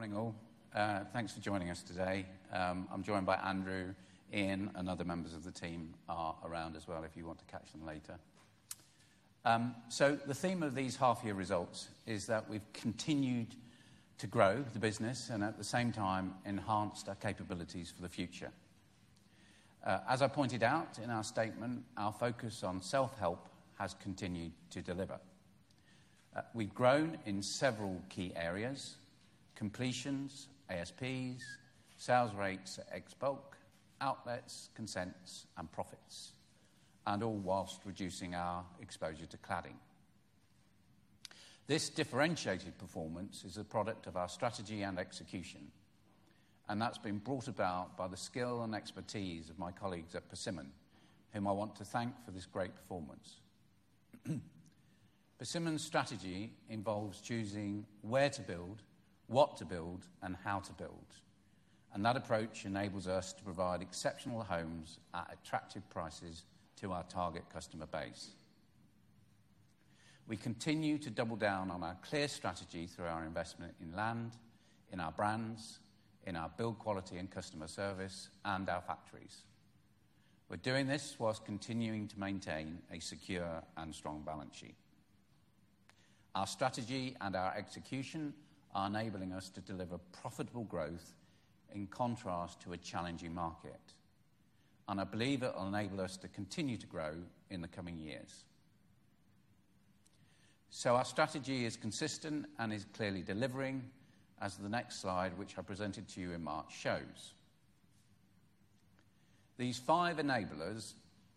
Good morning all. Thanks for joining us today. I'm joined by Andrew and other members of the team are around as well if you want to catch them later. The theme of these half-year results is that we've continued to grow the business and at the same time enhanced our capabilities for the future. As I pointed out in our statement, our focus on self-help has continued to deliver. We've grown in several key areas: completions, ASPs, sales rates ex bulk, outlets, consents, and profits, all whilst reducing our exposure to cladding. This differentiated performance is a product of our strategy and execution, and that's been brought about by the skill and expertise of my colleagues at Persimmon, whom I want to thank for this great performance. Persimmon's strategy involves choosing where to build, what to build, and how to build, and that approach enables us to provide exceptional homes at attractive prices to our target customer base. We continue to double down on our clear strategy through our investment in land, in our brands, in our build quality and customer service, and our factories. We're doing this whilst continuing to maintain a secure and strong balance sheet. Our strategy and our execution are enabling us to deliver profitable growth in contrast to a challenging market, and I believe it will enable us to continue to grow in the coming years. Our strategy is consistent and is clearly delivering, as the next slide, which I presented to you in March, shows. These five enablers: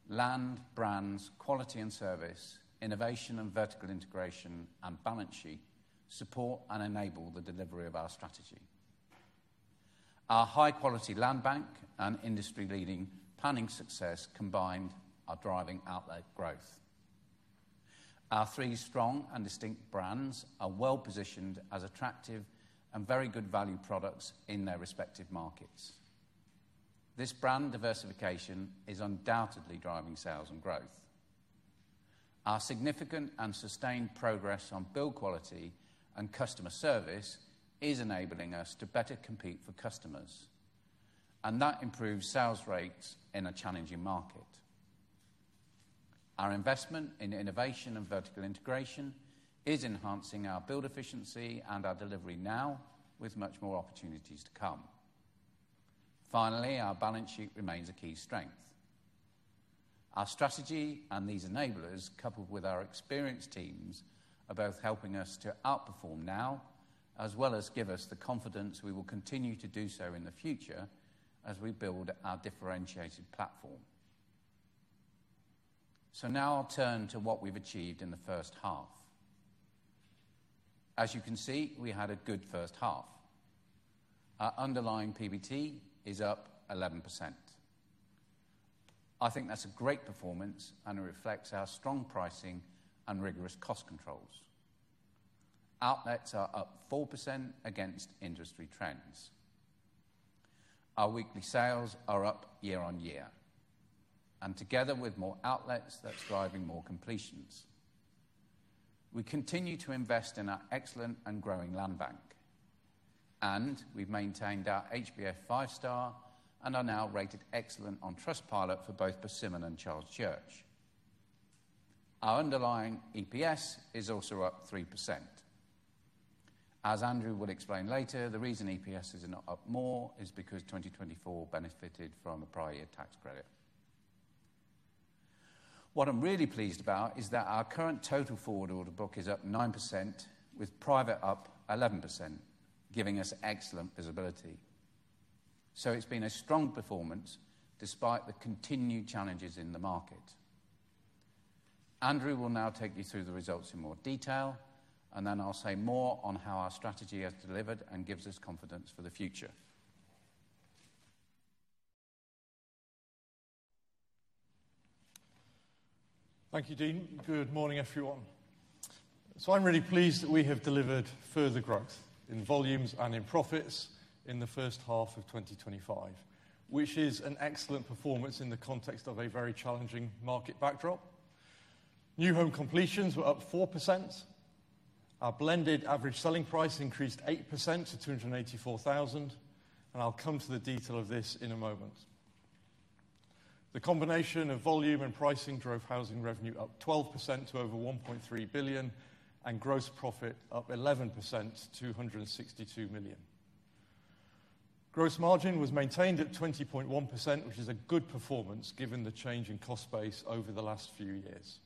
land, brands, quality and service, innovation and vertical integration, and balance sheet support and enable the delivery of our strategy. Our high-quality land bank and industry-leading planning success combined are driving outlet growth. Our three strong and distinct brands are well positioned as attractive and very good value products in their respective markets. This brand diversification is undoubtedly driving sales and growth. Our significant and sustained progress on build quality and customer service is enabling us to better compete for customers, and that improves sales rates in a challenging market. Our investment in innovation and vertical integration is enhancing our build efficiency and our delivery now, with much more opportunities to come. Finally, our balance sheet remains a key strength. Our strategy and these enablers, coupled with our experienced teams, are both helping us to outperform now, as well as give us the confidence we will continue to do so in the future as we build our differentiated platform. Now I'll turn to what we've achieved in the first half. As you can see, we had a good first half. Our underlying PBT is up 11%. I think that's a great performance and reflects our strong pricing and rigorous cost controls. Outlets are up 4% against industry trends. Our weekly sales are up year-on-year, and together with more outlets, that's driving more completions. We continue to invest in our excellent and growing land bank, and we've maintained our HBF five-star and are now rated excellent on Trustpilot for both Persimmon and Charles Church. Our underlying EPS is also up 3%. As Andrew will explain later, the reason EPSs are not up more is because 2024 benefited from a prior year tax credit. What I'm really pleased about is that our current total forward order book is up 9%, with private up 11%, giving us excellent visibility. It's been a strong performance despite the continued challenges in the market. Andrew will now take you through the results in more detail, and then I'll say more on how our strategy has delivered and gives us confidence for the future. Thank you, Dean. Good morning, everyone. I'm really pleased that we have delivered further growth in volumes and in profits in the first half of 2025, which is an excellent performance in the context of a very challenging market backdrop. New home completions were up 4%. Our blended ASP increased 8% to £284,000, and I'll come to the detail of this in a moment. The combination of volume and pricing drove housing revenue up 12% to over £1.3 billion and gross profit up 11% to £262 million. Gross margin was maintained at 20.1%, which is a good performance given the change in cost base over the last few years.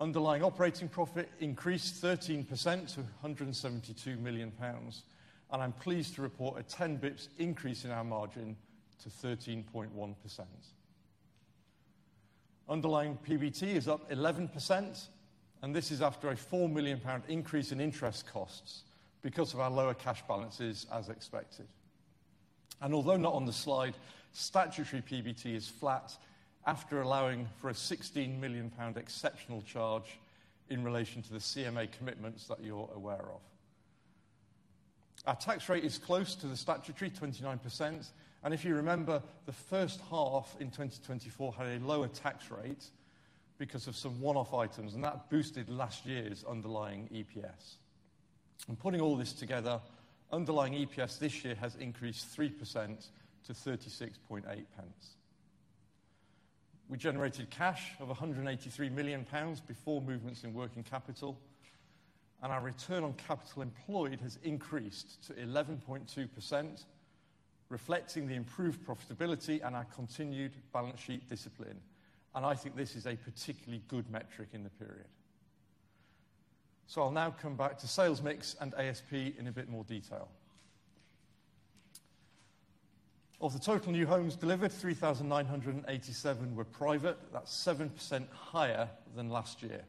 Underlying operating profit increased 13% to £172 million, and I'm pleased to report a 10 bps increase in our margin to 13.1%. Underlying PBT is up 11%, and this is after a £4 million increase in interest costs because of our lower cash balances, as expected. Although not on the slide, statutory PBT is flat after allowing for a £16 million exceptional charge in relation to the CMA commitments that you're aware of. Our tax rate is close to the statutory, 29%, and if you remember, the first half in 2024 had a lower tax rate because of some one-off items, and that boosted last year's underlying EPS. Putting all this together, underlying EPS this year has increased 3% to £36.80. We generated cash of £183 million before movements in working capital, and our return on capital employed has increased to 11.2%, reflecting the improved profitability and our continued balance sheet discipline. I think this is a particularly good metric in the period. I'll now come back to sales mix and ASP in a bit more detail. Of the total new homes delivered, 3,987 were private. That's 7% higher than last year.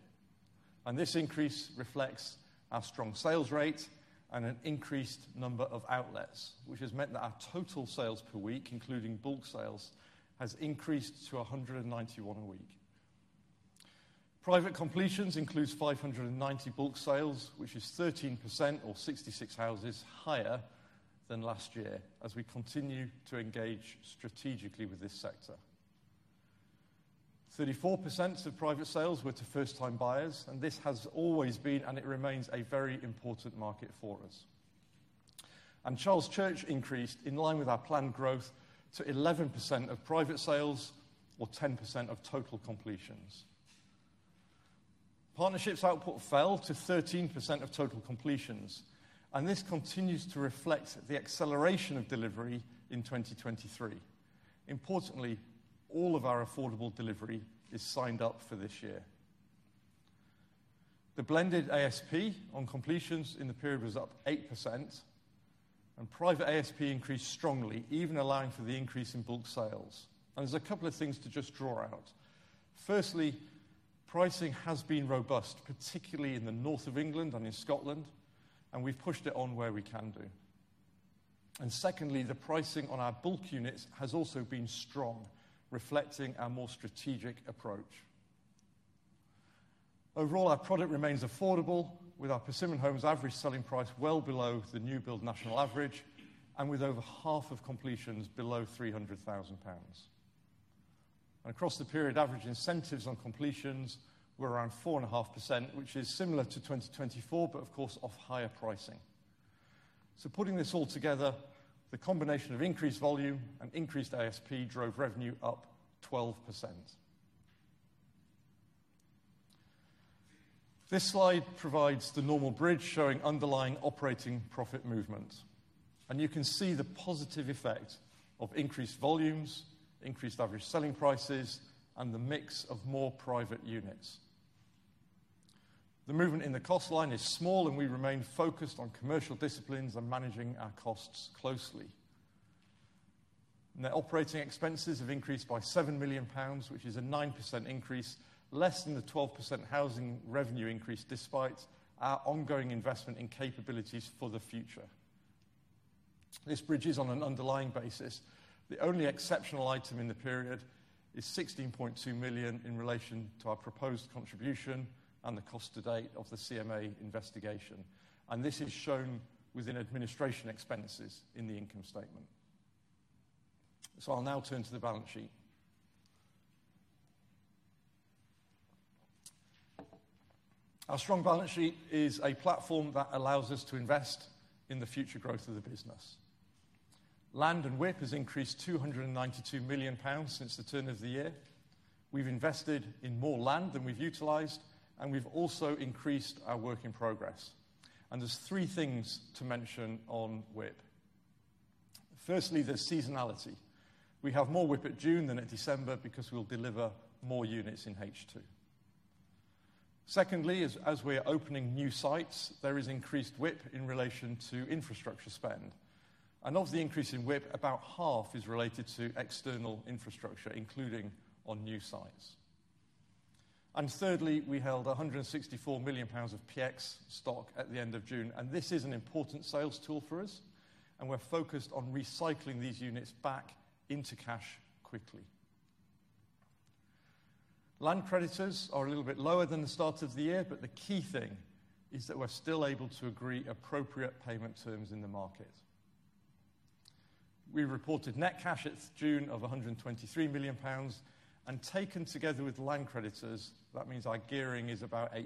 This increase reflects our strong sales rate and an increased number of outlets, which has meant that our total sales per week, including bulk sales, has increased to 191 a week. Private completions include 590 bulk sales, which is 13% or 66 houses higher than last year as we continue to engage strategically with this sector. 34% of private sales were to first-time buyers, and this has always been, and it remains a very important market for us. Charles Church increased in line with our planned growth to 11% of private sales or 10% of total completions. Partnerships output fell to 13% of total completions, and this continues to reflect the acceleration of delivery in 2023. Importantly, all of our affordable delivery is signed up for this year. The blended ASP on completions in the period was up 8%, and private ASP increased strongly, even allowing for the increase in bulk sales. There are a couple of things to just draw out. Firstly, pricing has been robust, particularly in the north of England and in Scotland, and we've pushed it on where we can do. Secondly, the pricing on our bulk units has also been strong, reflecting our more strategic approach. Overall, our product remains affordable, with our Persimmon Homes average selling price well below the new build national average and with over half of completions below £300,000. Across the period, average incentives on completions were around 4.5%, which is similar to 2024, but of course of higher pricing. Putting this all together, the combination of increased volume and increased ASP drove revenue up 12%. This slide provides the normal bridge showing underlying operating profit movement, and you can see the positive effect of increased volumes, increased average selling prices, and the mix of more private units. The movement in the cost line is small, and we remain focused on commercial disciplines and managing our costs closely. The operating expenses have increased by £7 million, which is a 9% increase, less than the 12% housing revenue increase, despite our ongoing investment in capabilities for the future. This bridges on an underlying basis. The only exceptional item in the period is £16.2 million in relation to our proposed contribution and the cost to date of the CMA investigation, and this is shown within administration expenses in the income statement. I'll now turn to the balance sheet. Our strong balance sheet is a platform that allows us to invest in the future growth of the business. Land and WIP has increased £292 million since the turn of the year. We've invested in more land than we've utilized, and we've also increased our work in progress. There are three things to mention on WIP. Firstly, there's seasonality. We have more WIP at June than at December because we'll deliver more units in H2. Secondly, as we're opening new sites, there is increased WIP in relation to infrastructure spend. Of the increase in WIP, about half is related to external infrastructure, including on new sites. Thirdly, we held £164 million of PX stock at the end of June, and this is an important sales tool for us. We're focused on recycling these units back into cash quickly. Land creditors are a little bit lower than the start of the year, but the key thing is that we're still able to agree appropriate payment terms in the market. We reported net cash at June of £123 million, and taken together with land creditors, that means our gearing is about 8%.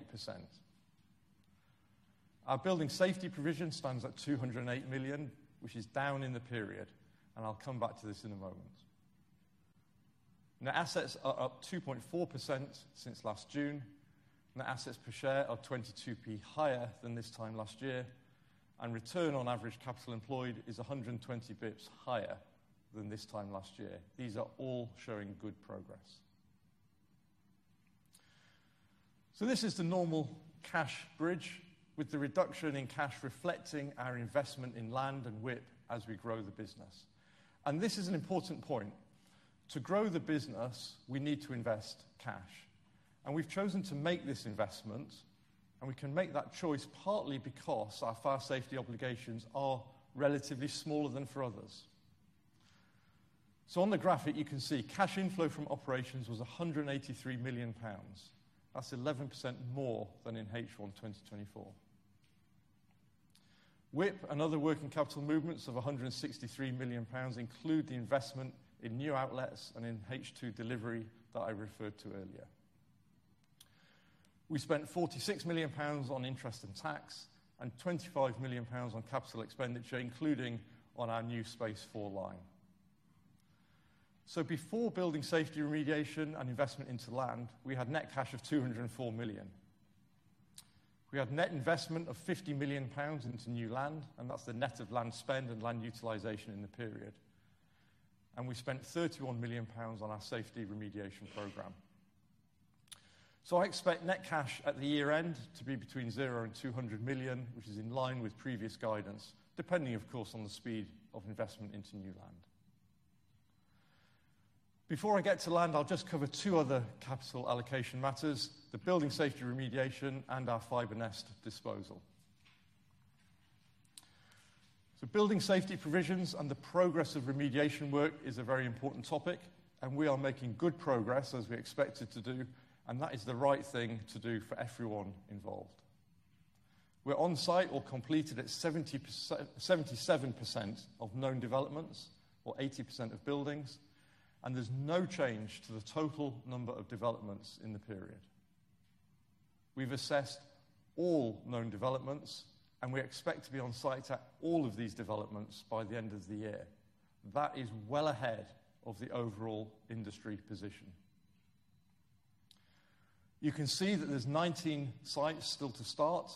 Our building safety provision stands at £208 million, which is down in the period. I'll come back to this in a moment. Net assets are up 2.4% since last June. Net assets per share are 22 bps higher than this time last year, and return on average capital employed is 120 bps higher than this time last year. These are all showing good progress. This is the normal cash bridge with the reduction in cash reflecting our investment in land and WIP as we grow the business. This is an important point. To grow the business, we need to invest cash. We've chosen to make this investment, and we can make that choice partly because our fire safety obligations are relatively smaller than for others. On the graphic, you can see cash inflow from operations was £183 million. That's 11% more than in H1 2024. WIP and other working capital movements of £163 million include the investment in new outlets and in H2 delivery that I referred to earlier. We spent £46 million on interest and tax and £25 million on capital expenditure, including on our new Space4 line. Before building safety remediation and investment into land, we had net cash of £204 million. We had net investment of £50 million into new land, and that's the net of land spend and land utilization in the period. We spent £31 million on our safety remediation program. I expect net cash at the year end to be between zero and £200 million, which is in line with previous guidance, depending of course on the speed of investment into new land. Before I get to land, I'll just cover two other capital allocation matters: the building safety remediation and our FibreNest disposal. Building safety provisions and the progress of remediation work is a very important topic, and we are making good progress as we expected to do, and that is the right thing to do for everyone involved. We're on site or completed at 77% of known developments or 80% of buildings, and there's no change to the total number of developments in the period. We've assessed all known developments, and we expect to be on site at all of these developments by the end of the year. That is well ahead of the overall industry position. You can see that there's 19 sites still to start,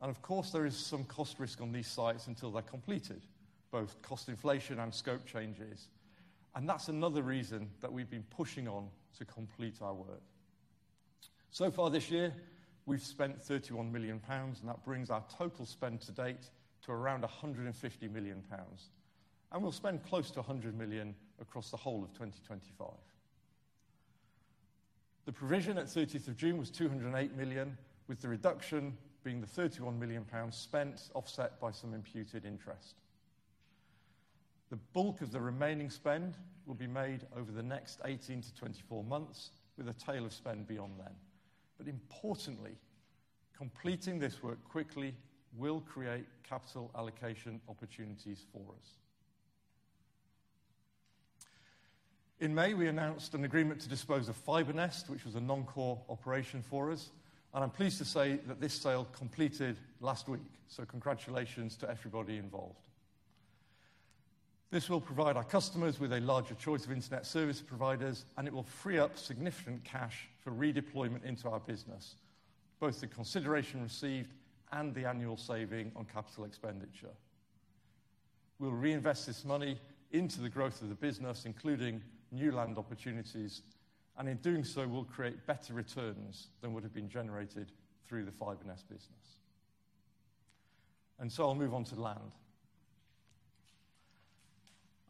and of course there is some cost risk on these sites until they're completed, both cost inflation and scope changes. That's another reason that we've been pushing on to complete our work. So far this year, we've spent £31 million, and that brings our total spend to date to around £150 million, and we'll spend close to £100 million across the whole of 2025. The provision at 30 June was £208 million, with the reduction being the £31 million spent offset by some imputed interest. The bulk of the remaining spend will be made over the next 18-24 months, with a tail of spend beyond then. Importantly, completing this work quickly will create capital allocation opportunities for us. In May, we announced an agreement to dispose of FibreNest, which was a non-core operation for us, and I'm pleased to say that this sale completed last week, so congratulations to everybody involved. This will provide our customers with a larger choice of internet service providers, and it will free up significant cash for redeployment into our business, both the consideration received and the annual saving on capital expenditure. We'll reinvest this money into the growth of the business, including new land opportunities, and in doing so, we'll create better returns than would have been generated through the FibreNest business. I'll move on to land.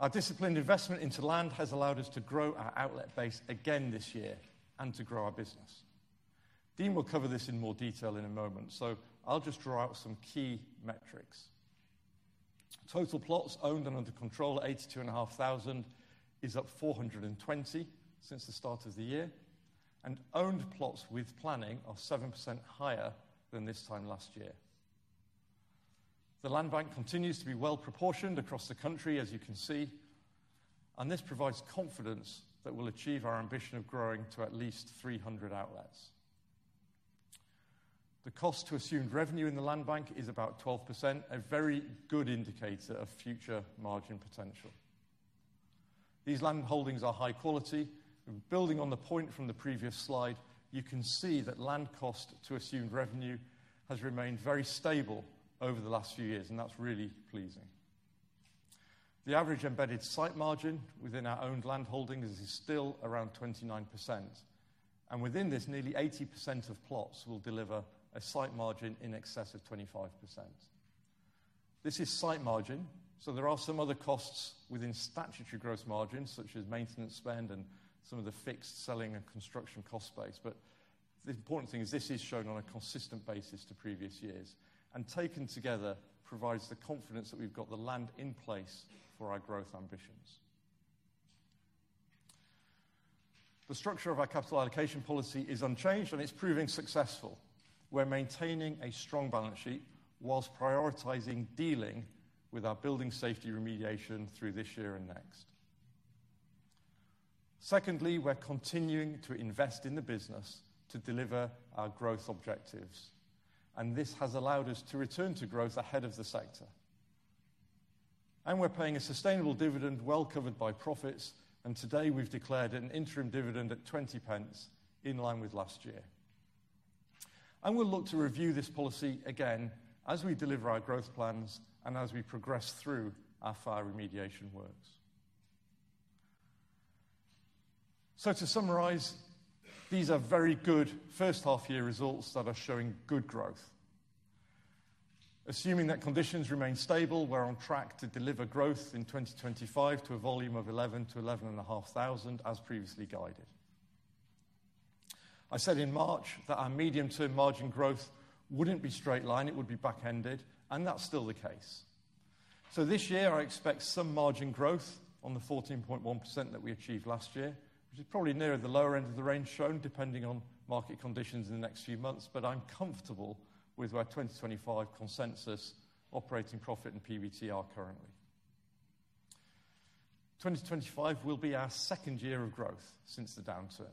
Our disciplined investment into land has allowed us to grow our outlet base again this year and to grow our business. Dean will cover this in more detail in a moment, so I'll just draw out some key metrics. Total plots owned and under control, 82,500, is up 420 since the start of the year, and owned plots with planning are 7% higher than this time last year. The land bank continues to be well proportioned across the country, as you can see, and this provides confidence that we'll achieve our ambition of growing to at least 300 outlets. The cost to assumed revenue in the land bank is about 12%, a very good indicator of future margin potential. These land holdings are high quality. Building on the point from the previous slide, you can see that land cost to assumed revenue has remained very stable over the last few years, and that's really pleasing. The average embedded site margin within our owned land holdings is still around 29%, and within this, nearly 80% of plots will deliver a site margin in excess of 25%. This is site margin, so there are some other costs within statutory gross margins, such as maintenance spend and some of the fixed selling and construction cost space, but the important thing is this is shown on a consistent basis to previous years, and taken together provides the confidence that we've got the land in place for our growth ambitions. The structure of our capital allocation policy is unchanged, and it's proving successful. We're maintaining a strong balance sheet whilst prioritizing dealing with our building safety remediation through this year and next. We're continuing to invest in the business to deliver our growth objectives, and this has allowed us to return to growth ahead of the sector. We're paying a sustainable dividend well covered by profits, and today we've declared an interim dividend at £0.20 in line with last year. We'll look to review this policy again as we deliver our growth plans and as we progress through our fire remediation works. To summarize, these are very good first half-year results that are showing good growth. Assuming that conditions remain stable, we're on track to deliver growth in 2025 to a volume of 11,000-11,500 as previously guided. I said in March that our medium-term margin growth wouldn't be straight line, it would be back-ended, and that's still the case. This year I expect some margin growth on the 14.1% that we achieved last year, which is probably near the lower end of the range shown depending on market conditions in the next few months, but I'm comfortable with where 2025 consensus, operating profit, and PBT are currently. 2025 will be our second year of growth since the downturn,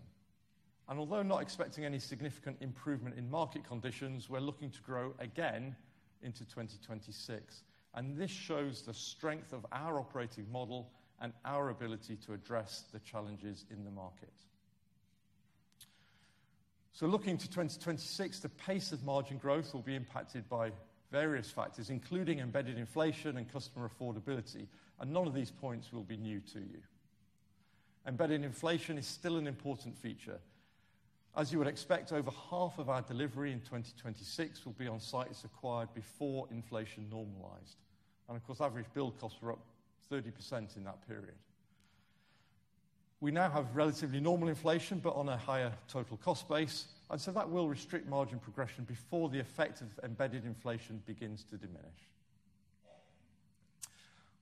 and although not expecting any significant improvement in market conditions, we're looking to grow again into 2026, and this shows the strength of our operating model and our ability to address the challenges in the market. Looking to 2026, the pace of margin growth will be impacted by various factors, including embedded inflation and customer affordability, and none of these points will be new to you. Embedded inflation is still an important feature. As you would expect, over half of our delivery in 2026 will be on site acquired before inflation normalized, and of course, average build costs were up 30% in that period. We now have relatively normal inflation, but on a higher total cost base, and that will restrict margin progression before the effect of embedded inflation begins to diminish.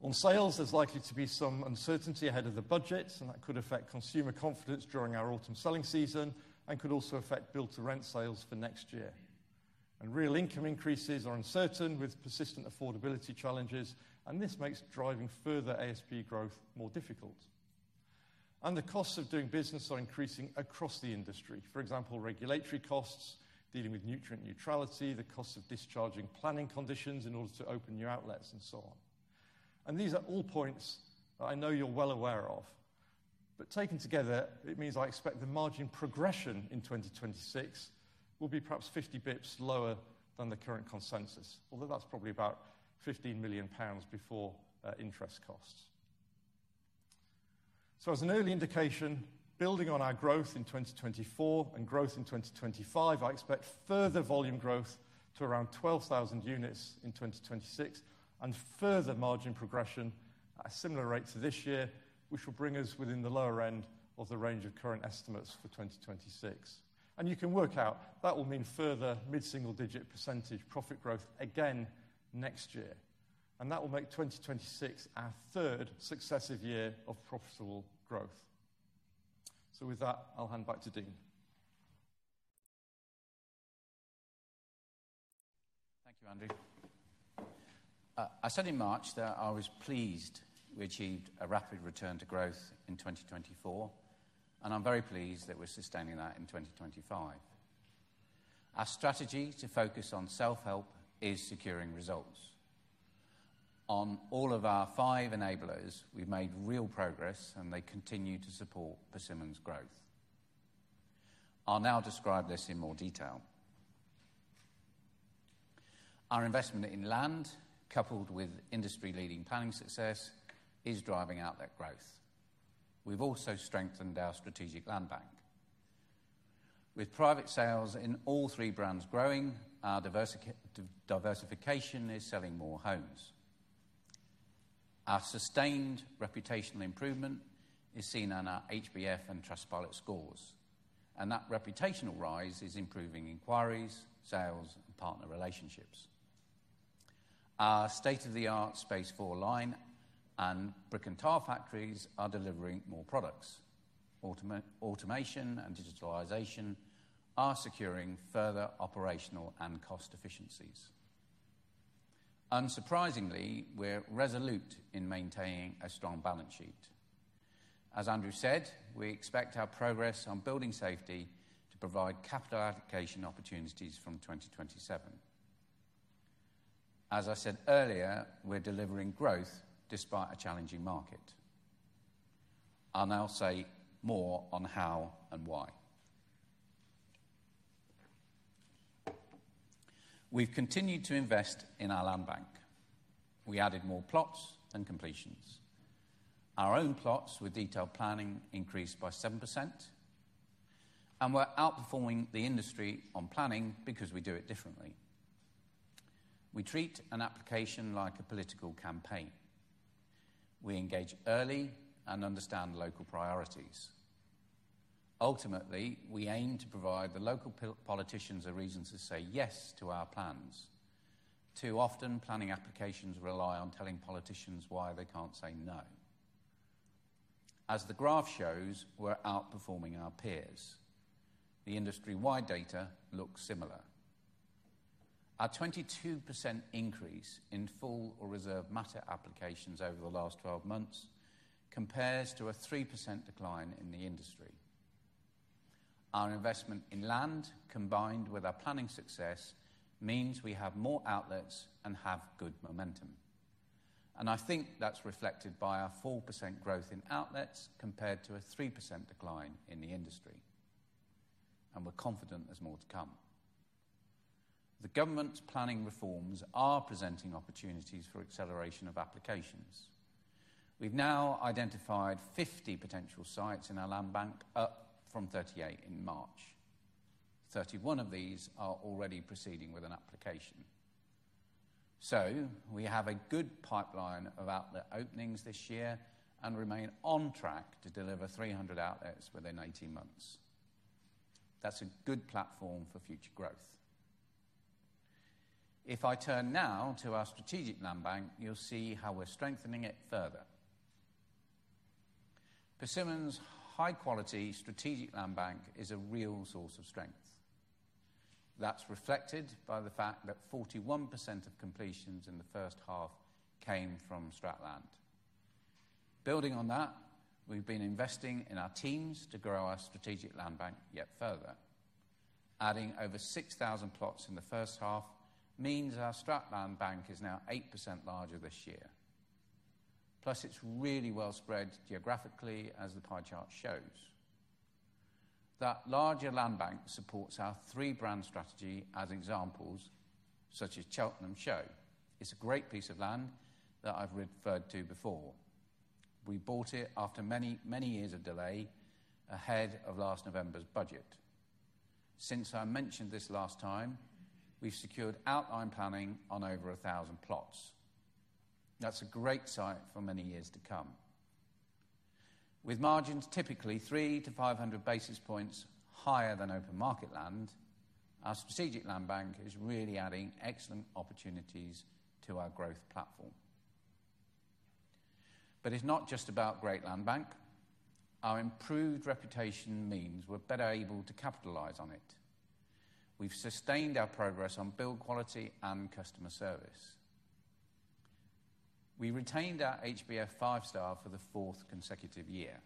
On sales, there's likely to be some uncertainty ahead of the budgets, which could affect consumer confidence during our autumn selling season and could also affect build-to-rent sales for next year. Real income increases are uncertain with persistent affordability challenges, and this makes driving further ASP growth more difficult. The costs of doing business are increasing across the industry. For example, regulatory costs, dealing with nutrient neutrality, the cost of discharging planning conditions in order to open new outlets, and so on. These are all points I know you're well aware of, but taken together, it means I expect the margin progression in 2026 will be perhaps 50 bps lower than the current consensus, although that's probably about £15 million before interest costs. As an early indication, building on our growth in 2024 and growth in 2025, I expect further volume growth to around 12,000 units in 2026 and further margin progression at a similar rate to this year, which will bring us within the lower end of the range of current estimates for 2026. You can work out that will mean further mid-single-digit percentage profit growth again next year, and that will make 2026 our third successive year of profitable growth. With that, I'll hand back to Dean. Thank you, Andrew. I said in March that I was pleased we achieved a rapid return to growth in 2024, and I'm very pleased that we're sustaining that in 2025. Our strategy to focus on self-help is securing results. On all of our five enablers, we've made real progress, and they continue to support Persimmon's growth. I'll now describe this in more detail. Our investment in land, coupled with industry-leading planning success, is driving outlet growth. We've also strengthened our strategic land bank. With private sales in all three brands growing, our diversification is selling more homes. Our sustained reputational improvement is seen on our HBF and Trustpilot scores, and that reputational rise is improving inquiries, sales, and partner relationships. Our state-of-the-art Space4 line and brick and tile factories are delivering more products. Automation and digitalization are securing further operational and cost efficiencies. Unsurprisingly, we're resolute in maintaining a strong balance sheet. As Andrew said, we expect our progress on building safety to provide capital allocation opportunities from 2027. As I said earlier, we're delivering growth despite a challenging market. I'll now say more on how and why. We've continued to invest in our land bank. We added more plots and completions. Our owned plots with detailed planning increased by 7%, and we're outperforming the industry on planning because we do it differently. We treat an application like a political campaign. We engage early and understand local priorities. Ultimately, we aim to provide the local politicians a reason to say yes to our plans. Too often, planning applications rely on telling politicians why they can't say no. As the graph shows, we're outperforming our peers. The industry-wide data looks similar. A 22% increase in full or reserve matter applications over the last 12 months compares to a 3% decline in the industry. Our investment in land, combined with our planning success, means we have more outlets and have good momentum. I think that's reflected by our 4% growth in outlets compared to a 3% decline in the industry. We're confident there's more to come. The government's planning reforms are presenting opportunities for acceleration of applications. We've now identified 50 potential sites in our land bank, up from 38 in March. Thirty one of these are already proceeding with an application. We have a good pipeline of outlet openings this year and remain on track to deliver 300 outlets within 18 months. That's a good platform for future growth. If I turn now to our strategic land bank, you'll see how we're strengthening it further. Persimmon's high-quality strategic land bank is a real source of strength. That's reflected by the fact that 41% of completions in the first half came from strategic land. Building on that, we've been investing in our teams to grow our strategic land bank yet further. Adding over 6,000 plots in the first half means our strategic land bank is now 8% larger this year. Plus, it's really well spread geographically, as the pie chart shows. That larger land bank supports our three-brand strategy as examples, such as Cheltenham Show. It's a great piece of land that I've referred to before. We bought it after many, many years of delay ahead of last November's budget. Since I mentioned this last time, we've secured outline planning on over 1,000 plots. That's a great site for many years to come. With margins typically 300-500 basis points higher than open market land, our strategic land bank is really adding excellent opportunities to our growth platform. It's not just about great land bank. Our improved reputation means we're better able to capitalize on it. We've sustained our progress on build quality and customer service. We retained our HBF five-star for the fourth consecutive year.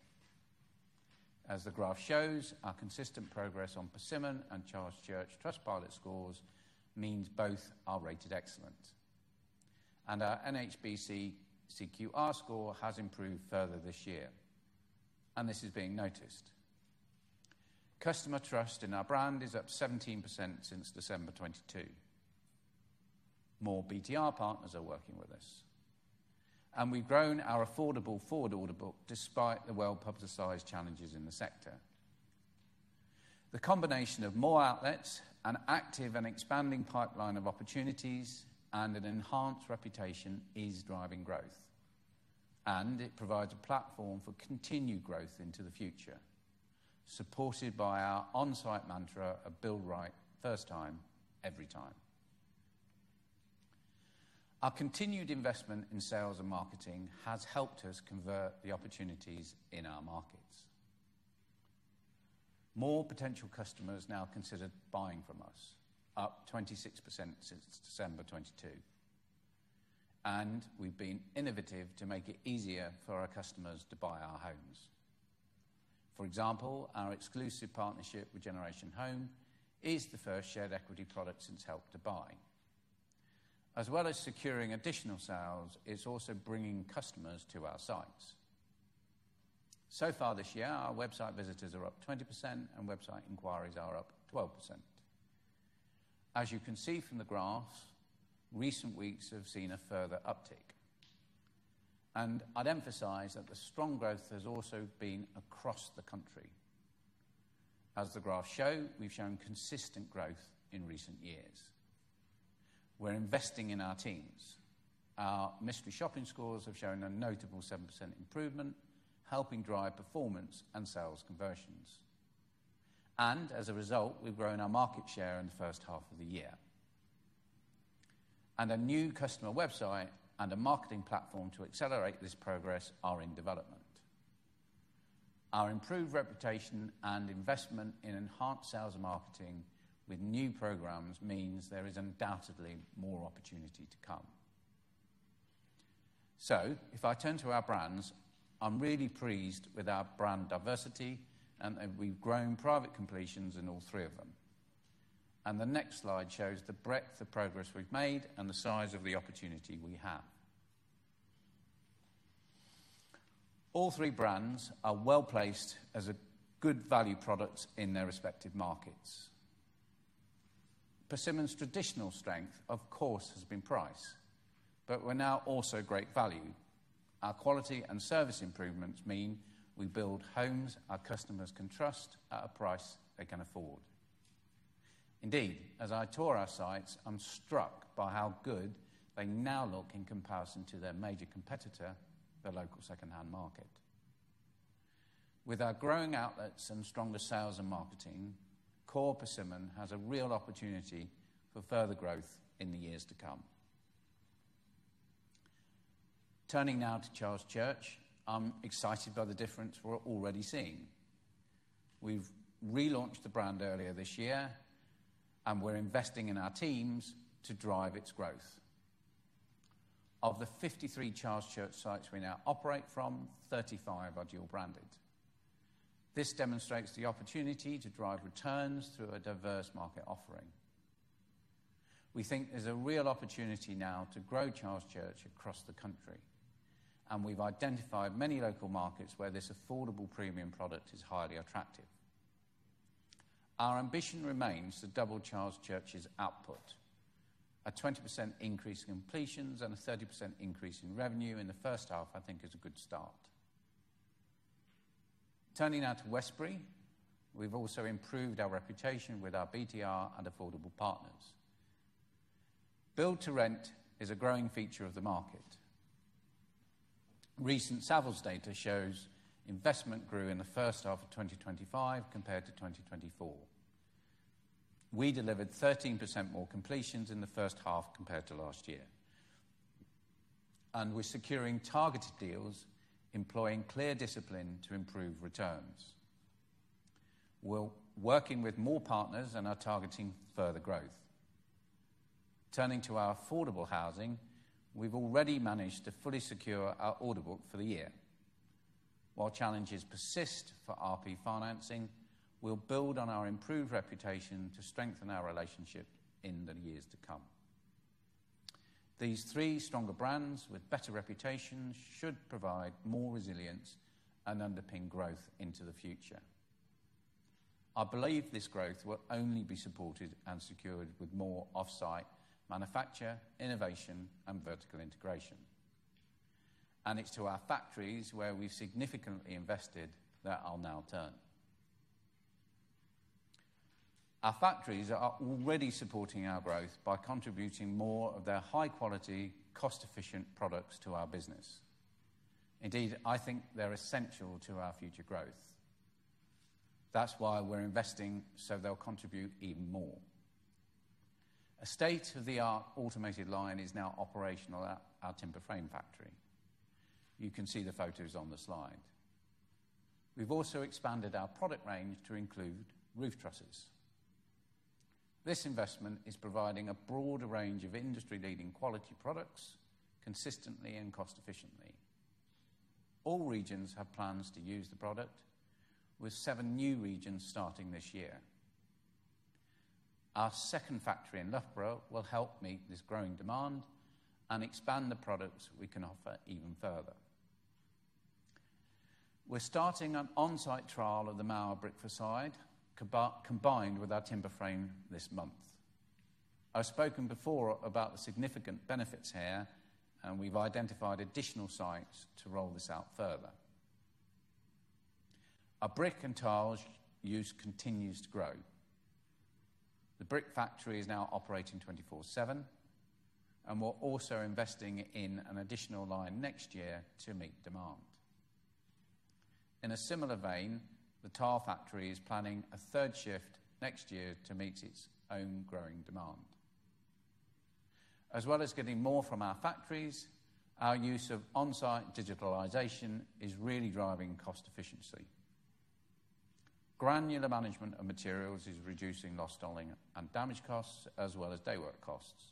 As the graph shows, our consistent progress on Persimmon and Charles Church Trustpilot scores means both are rated excellent. Our NHBC CQR score has improved further this year, and this is being noticed. Customer trust in our brand is up 17% since December 2022. More BTR partners are working with us. We've grown our affordable forward order book despite the well-publicized challenges in the sector. The combination of more outlets, an active and expanding pipeline of opportunities, and an enhanced reputation is driving growth. It provides a platform for continued growth into the future, supported by our onsite mantra of "Build right, first time, every time." Our continued investment in sales and marketing has helped us convert the opportunities in our markets. More potential customers now consider buying from us, up 26% since December 2022. We've been innovative to make it easier for our customers to buy our homes. For example, our exclusive partnership with Generation Home is the first shared equity product since Help to Buy. As well as securing additional sales, it's also bringing customers to our sites. So far this year, our website visitors are up 20% and website inquiries are up 12%. As you can see from the graph, recent weeks have seen a further uptick. I'd emphasize that the strong growth has also been across the country. As the graphs show, we've shown consistent growth in recent years. We're investing in our teams. Our mystery shopping scores have shown a notable 7% improvement, helping drive performance and sales conversions. As a result, we've grown our market share in the first half of the year. A new customer website and a marketing platform to accelerate this progress are in development. Our improved reputation and investment in enhanced sales and marketing with new programs means there is undoubtedly more opportunity to come. If I turn to our brands, I'm really pleased with our brand diversity, and we've grown private completions in all three of them. The next slide shows the breadth of progress we've made and the size of the opportunity we have. All three brands are well placed as good value products in their respective markets. Persimmon's traditional strength, of course, has been price, but we're now also great value. Our quality and service improvements mean we build homes our customers can trust at a price they can afford. Indeed, as I tour our sites, I'm struck by how good they now look in comparison to their major competitor, the local second-hand market. With our growing outlets and stronger sales and marketing, core Persimmon has a real opportunity for further growth in the years to come. Turning now to Charles Church, I'm excited by the difference we're already seeing. We've relaunched the brand earlier this year, and we're investing in our teams to drive its growth. Of the 53 Charles Church sites we now operate from, 35 are dual branded. This demonstrates the opportunity to drive returns through a diverse market offering. We think there's a real opportunity now to grow Charles Church across the country, and we've identified many local markets where this affordable premium product is highly attractive. Our ambition remains to double Charles Church's output. A 20% increase in completions and a 30% increase in revenue in the first half, I think, is a good start. Turning now to Westbury, we've also improved our reputation with our BTR and affordable partners. Build-to-rent is a growing feature of the market. Recent Savills data shows investment grew in the first half of 2025 compared to 2024. We delivered 13% more completions in the first half compared to last year. We're securing targeted deals, employing clear discipline to improve returns. We're working with more partners and are targeting further growth. Turning to our affordable housing, we've already managed to fully secure our order book for the year. While challenges persist for RP financing, we'll build on our improved reputation to strengthen our relationship in the years to come. These three stronger brands with better reputations should provide more resilience and underpin growth into the future. I believe this growth will only be supported and secured with more offsite manufacture, innovation, and vertical integration. It's to our factories where we've significantly invested that I'll now turn. Our factories are already supporting our growth by contributing more of their high-quality, cost-efficient products to our business. I think they're essential to our future growth. That's why we're investing so they'll contribute even more. A state-of-the-art automated line is now operational at our timber frame factory. You can see the photos on the slide. We've also expanded our product range to include roof trusses. This investment is providing a broader range of industry-leading quality products, consistently and cost-efficiently. All regions have plans to use the product, with seven new regions starting this year. Our second factory in Loughborough will help meet this growing demand and expand the products we can offer even further. We're starting an onsite trial of the Mauer brick facade, combined with our timber frame this month. I've spoken before about the significant benefits here, and we've identified additional sites to roll this out further. Our brick and tile use continues to grow. The brick factory is now operating 24/7, and we're also investing in an additional line next year to meet demand. In a similar vein, the tile factory is planning a third shift next year to meet its own growing demand. As well as getting more from our factories, our use of onsite digitalization is really driving cost efficiency. Granular management of materials is reducing lost stalling and damage costs, as well as daywork costs,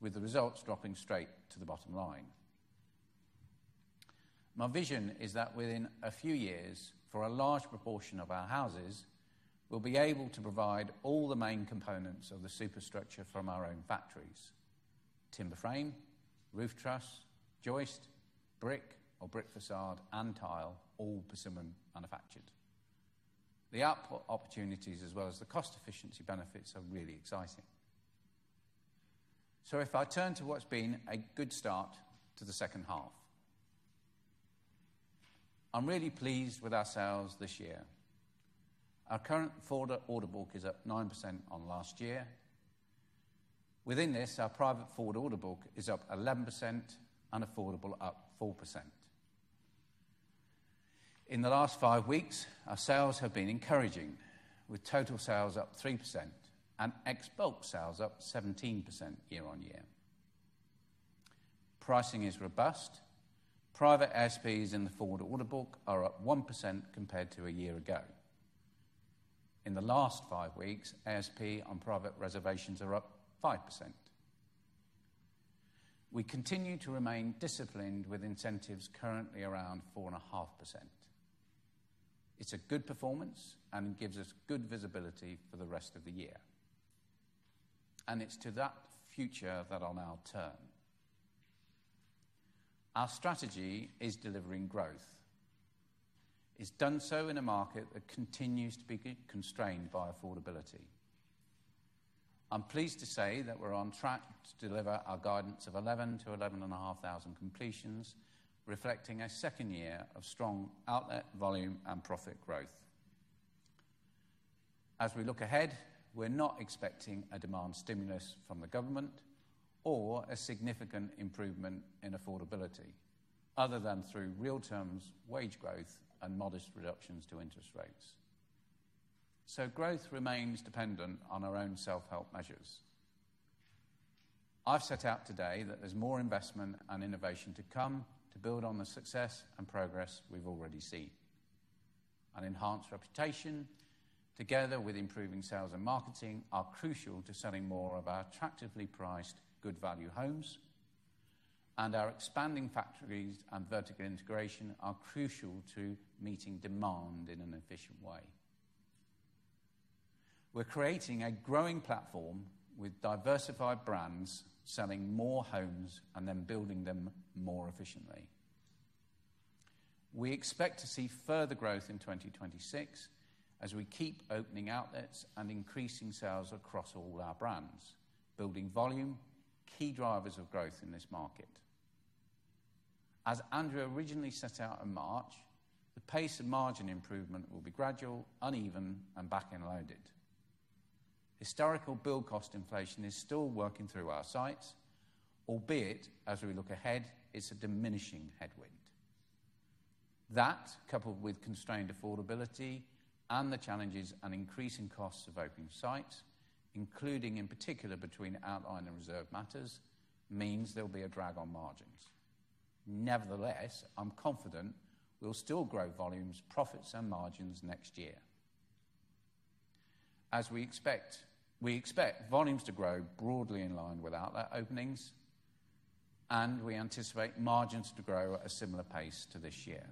with the results dropping straight to the bottom line. My vision is that within a few years, for a large proportion of our houses, we'll be able to provide all the main components of the superstructure from our own factories: timber frame, roof truss, joist, brick or brick facade, and tile, all Persimmon manufactured. The output opportunities, as well as the cost efficiency benefits, are really exciting. If I turn to what's been a good start to the second half, I'm really pleased with our sales this year. Our current forward order book is at 9% on last year. Within this, our private forward order book is up 11% and affordable up 4%. In the last five weeks, our sales have been encouraging, with total sales up 3% and ex bulk sales up 17% year-on-year. Pricing is robust. Private ASPs in the forward order book are up 1% compared to a year ago. In the last five weeks, ASP on private reservations are up 5%. We continue to remain disciplined with incentives currently around 4.5%. It's a good performance and gives us good visibility for the rest of the year. It's to that future that I'll now turn. Our strategy is delivering growth. It's done so in a market that continues to be constrained by affordability. I'm pleased to say that we're on track to deliver our guidance of 11,000-11,500 completions, reflecting a second year of strong outlet volume and profit growth. As we look ahead, we're not expecting a demand stimulus from the government or a significant improvement in affordability, other than through real terms, wage growth, and modest reductions to interest rates. Growth remains dependent on our own self-help measures. I've set out today that there's more investment and innovation to come to build on the success and progress we've already seen. An enhanced reputation, together with improving sales and marketing, are crucial to selling more of our attractively priced, good value homes. Our expanding factories and vertical integration are crucial to meeting demand in an efficient way. We're creating a growing platform with diversified brands selling more homes and then building them more efficiently. We expect to see further growth in 2026 as we keep opening outlets and increasing sales across all our brands, building volume, key drivers of growth in this market. As Andrew originally set out in March, the pace of margin improvement will be gradual, uneven, and back-end loaded. Historical build cost inflation is still working through our sites, albeit as we look ahead, it's a diminishing headwind. That, coupled with constrained affordability and the challenges and increasing costs of opening sites, including in particular between outline and reserve matters, means there'll be a drag on margins. Nevertheless, I'm confident we'll still grow volumes, profits, and margins next year. As we expect, we expect volumes to grow broadly in line with outlet openings, and we anticipate margins to grow at a similar pace to this year.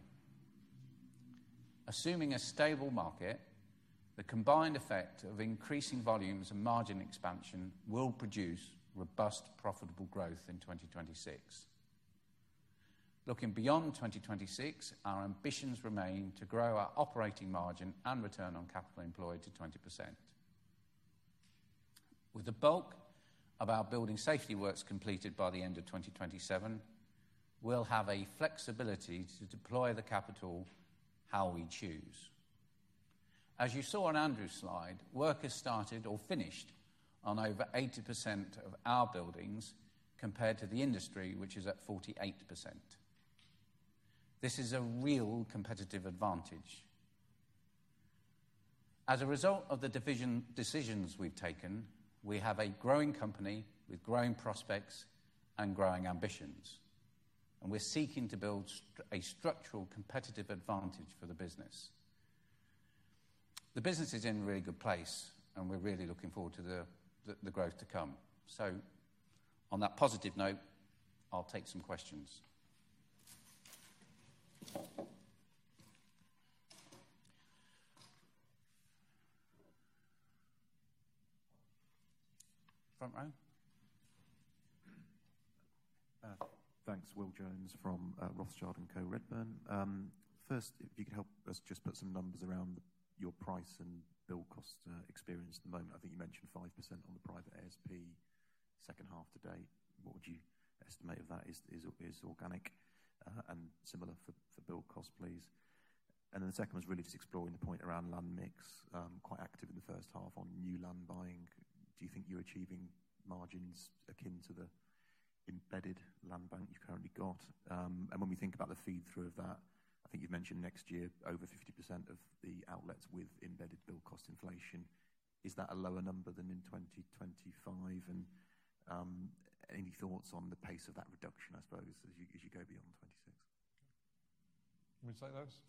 Assuming a stable market, the combined effect of increasing volumes and margin expansion will produce robust, profitable growth in 2026. Looking beyond 2026, our ambitions remain to grow our operating margin and return on capital employed to 20%. With the bulk of our building safety works completed by the end of 2027, we'll have a flexibility to deploy the capital how we choose. As you saw on Andrew's slide, work has started or finished on over 80% of our buildings compared to the industry, which is at 48%. This is a real competitive advantage. As a result of the division decisions we've taken, we have a growing company with growing prospects and growing ambitions, and we're seeking to build a structural competitive advantage for the business. The business is in a really good place, and we're really looking forward to the growth to come. On that positive note, I'll take some questions. Front row? Thanks, Will Jones from Rothschild & Co Redburn. First, if you could help us just put some numbers around your price and build cost experience at the moment. I think you mentioned 5% on the private ASP second half to date. What would you estimate of that is organic and similar for build cost, please? The second was really just exploring the point around land mix. Quite active in the first half on new land buying. Do you think you're achieving margins akin to the embedded land bank you've currently got? When we think about the feed through of that, I think you've mentioned next year over 50% of the outlets with embedded build cost inflation. Is that a lower number than in 2025? Any thoughts on the pace of that reduction, I suppose, as you go beyond 2026? Can we say those?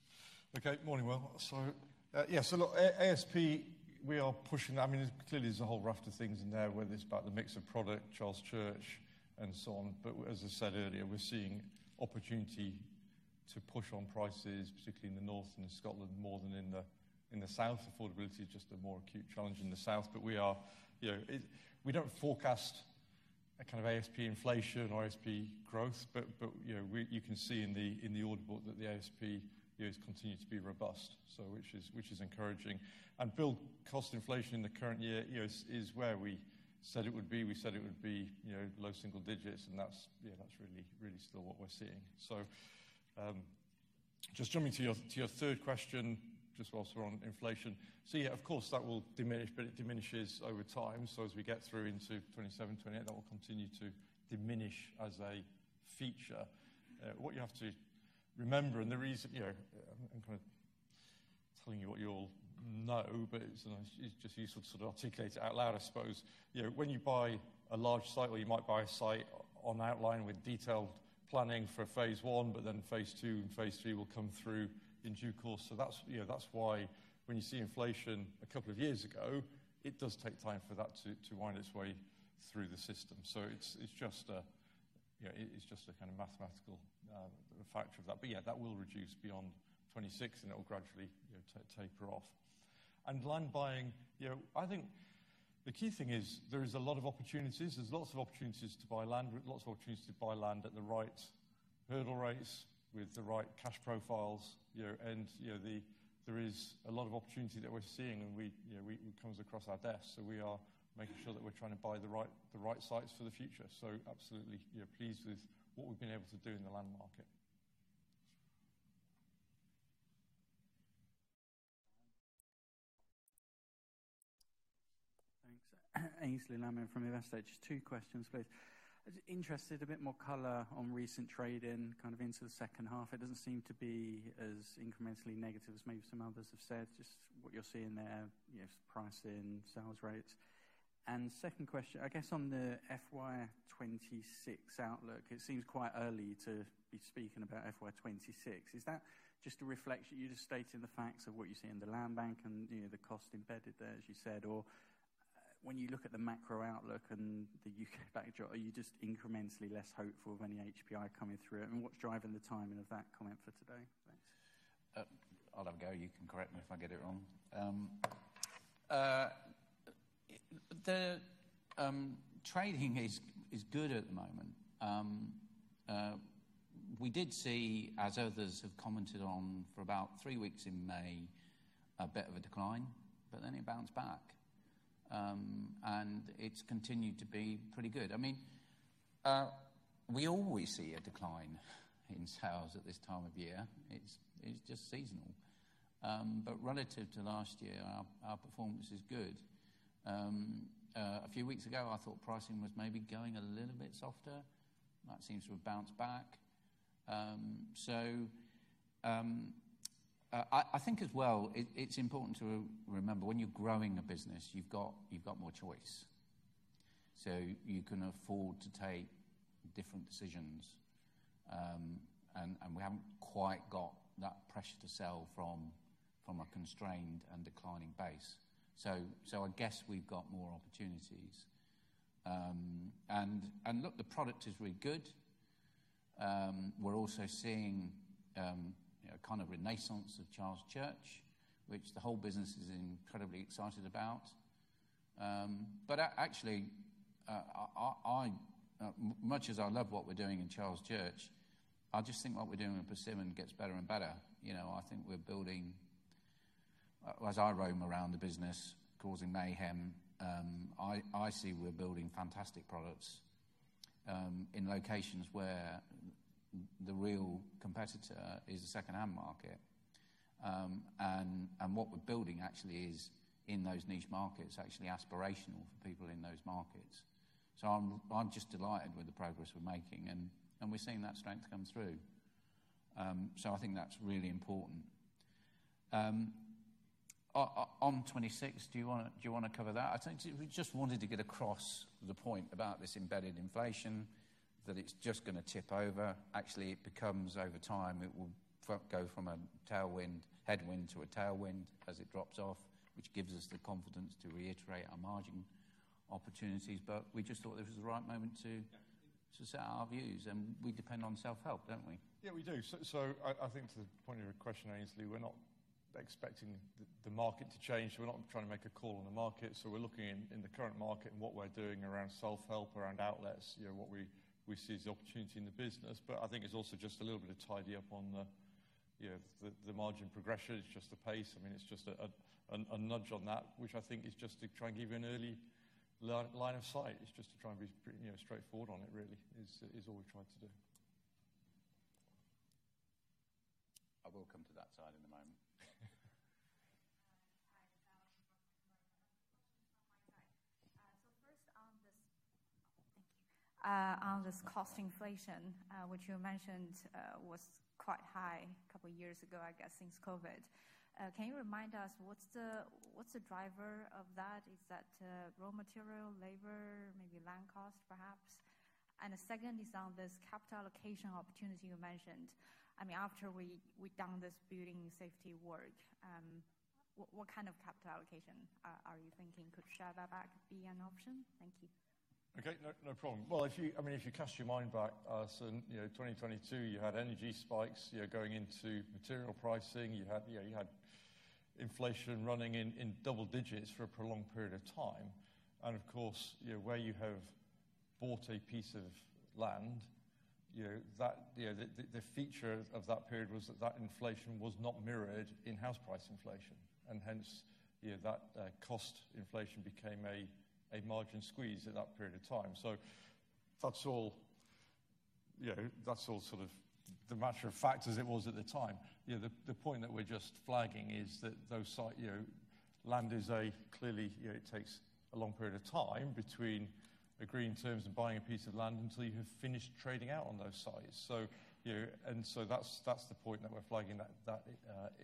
Okay, morning Will. Yeah, look, ASP, we are pushing that. I mean, clearly there's a whole raft of things in there with this, but the mix of product, Charles Church, and so on. As I said earlier, we're seeing opportunity to push on prices, particularly in the north and in Scotland, more than in the south. Affordability is just a more acute challenge in the south. We don't forecast a kind of ASP inflation or ASP growth, but you can see in the order book that the ASP has continued to be robust, which is encouraging. Build cost inflation in the current year is where we said it would be. We said it would be low single digits, and that's really, really still what we're seeing. Jumping to your third question, just whilst we're on inflation. Of course that will diminish, but it diminishes over time. As we get through into 2027, 2028, that will continue to diminish as a feature. What you have to remember, and the reason, I'm kind of telling you what you all know, but it's just useful to sort of articulate it out loud, I suppose. When you buy a large site, or you might buy a site on outline with detailed planning for phase one, then phase two and phase three will come through in due course. That's why when you see inflation a couple of years ago, it does take time for that to wind its way through the system. It's just a kind of mathematical factor of that. That will reduce beyond 2026, and it will gradually taper off. Land buying, I think the key thing is there are a lot of opportunities. There's lots of opportunities to buy land, lots of opportunities to buy land at the right hurdle rates with the right cash profiles. There is a lot of opportunity that we're seeing, and it comes across our desk. We are making sure that we're trying to buy the right sites for the future. Absolutely, pleased with what we've been able to do in the land market. Thanks. Aynsley Lammin from Investec, two questions, please. I'm interested in a bit more color on recent trading kind of into the second half. It doesn't seem to be as incrementally negative as maybe some others have said. Just what you're seeing there, you know, pricing, sales rates. Second question, I guess on the FY 2026 outlook, it seems quite early to be speaking about FY 2026. Is that just a reflection? You just stated the facts of what you see in the land bank and, you know, the cost embedded there, as you said. When you look at the macro outlook and the U.K. backdrop, are you just incrementally less hopeful of any HPI coming through? What's driving the timing of that comment for today? Thanks. I'll have a go. You can correct me if I get it wrong. The trading is good at the moment. We did see, as others have commented on, for about three weeks in May, a bit of a decline, but then it bounced back. It's continued to be pretty good. I mean, we always see a decline in sales at this time of year. It's just seasonal. Relative to last year, our performance is good. A few weeks ago, I thought pricing was maybe going a little bit softer. That seems to have bounced back. I think as well, it's important to remember when you're growing a business, you've got more choice. You can afford to take different decisions. We haven't quite got that pressure to sell from a constrained and declining base. I guess we've got more opportunities. The product is really good. We're also seeing a kind of renaissance of Charles Church, which the whole business is incredibly excited about. Much as I love what we're doing in Charles Church, I just think what we're doing at Persimmon gets better and better. I think we're building, as I roam around the business, causing mayhem, I see we're building fantastic products in locations where the real competitor is the second-hand market. What we're building actually is in those niche markets, actually aspirational for people in those markets. I'm just delighted with the progress we're making, and we're seeing that strength come through. I think that's really important. On 2026, do you want to cover that? I just wanted to get across the point about this embedded inflation, that it's just going to tip over. Actually, it becomes over time, it will go from a headwind to a tailwind as it drops off, which gives us the confidence to reiterate our margin opportunities. We just thought this was the right moment to set our views, and we depend on self-help, don't we? Yeah, we do. I think to the point of your question, we're not expecting the market to change. We're not trying to make a call on the market. We're looking in the current market and what we're doing around self-help, around outlets, what we see as opportunity in the business. I think it's also just a little bit of tidy up on the margin progression. It's just the pace. It's just a nudge on that, which I think is just to try and give you an early line of sight. It's just to try and be straightforward on it, really, is all we try to do. I will come to that side in a moment. Thank you. On this cost inflation, which you mentioned was quite high a couple of years ago, I guess, since COVID. Can you remind us what's the driver of that? Is that raw material, labor, maybe land cost, perhaps? The second is on this capital allocation opportunity you mentioned. After we've done this building safety work, what kind of capital allocation are you thinking? Could share buyback be an option? Thank you. Okay, no problem. Actually, I mean, if you cast your mind back, you know, 2022, you had energy spikes, you know, going into material pricing. You had, you know, you had inflation running in double digits for a prolonged period of time. Of course, you know, where you have bought a piece of land, you know, the feature of that period was that that inflation was not mirrored in house price inflation. Hence, you know, that cost inflation became a margin squeeze at that period of time. That's all, you know, that's all sort of the matter of fact as it was at the time. The point that we're just flagging is that those sites, you know, land is a clearly, you know, it takes a long period of time between agreeing terms and buying a piece of land until you have finished trading out on those sites. That's the point that we're flagging, that that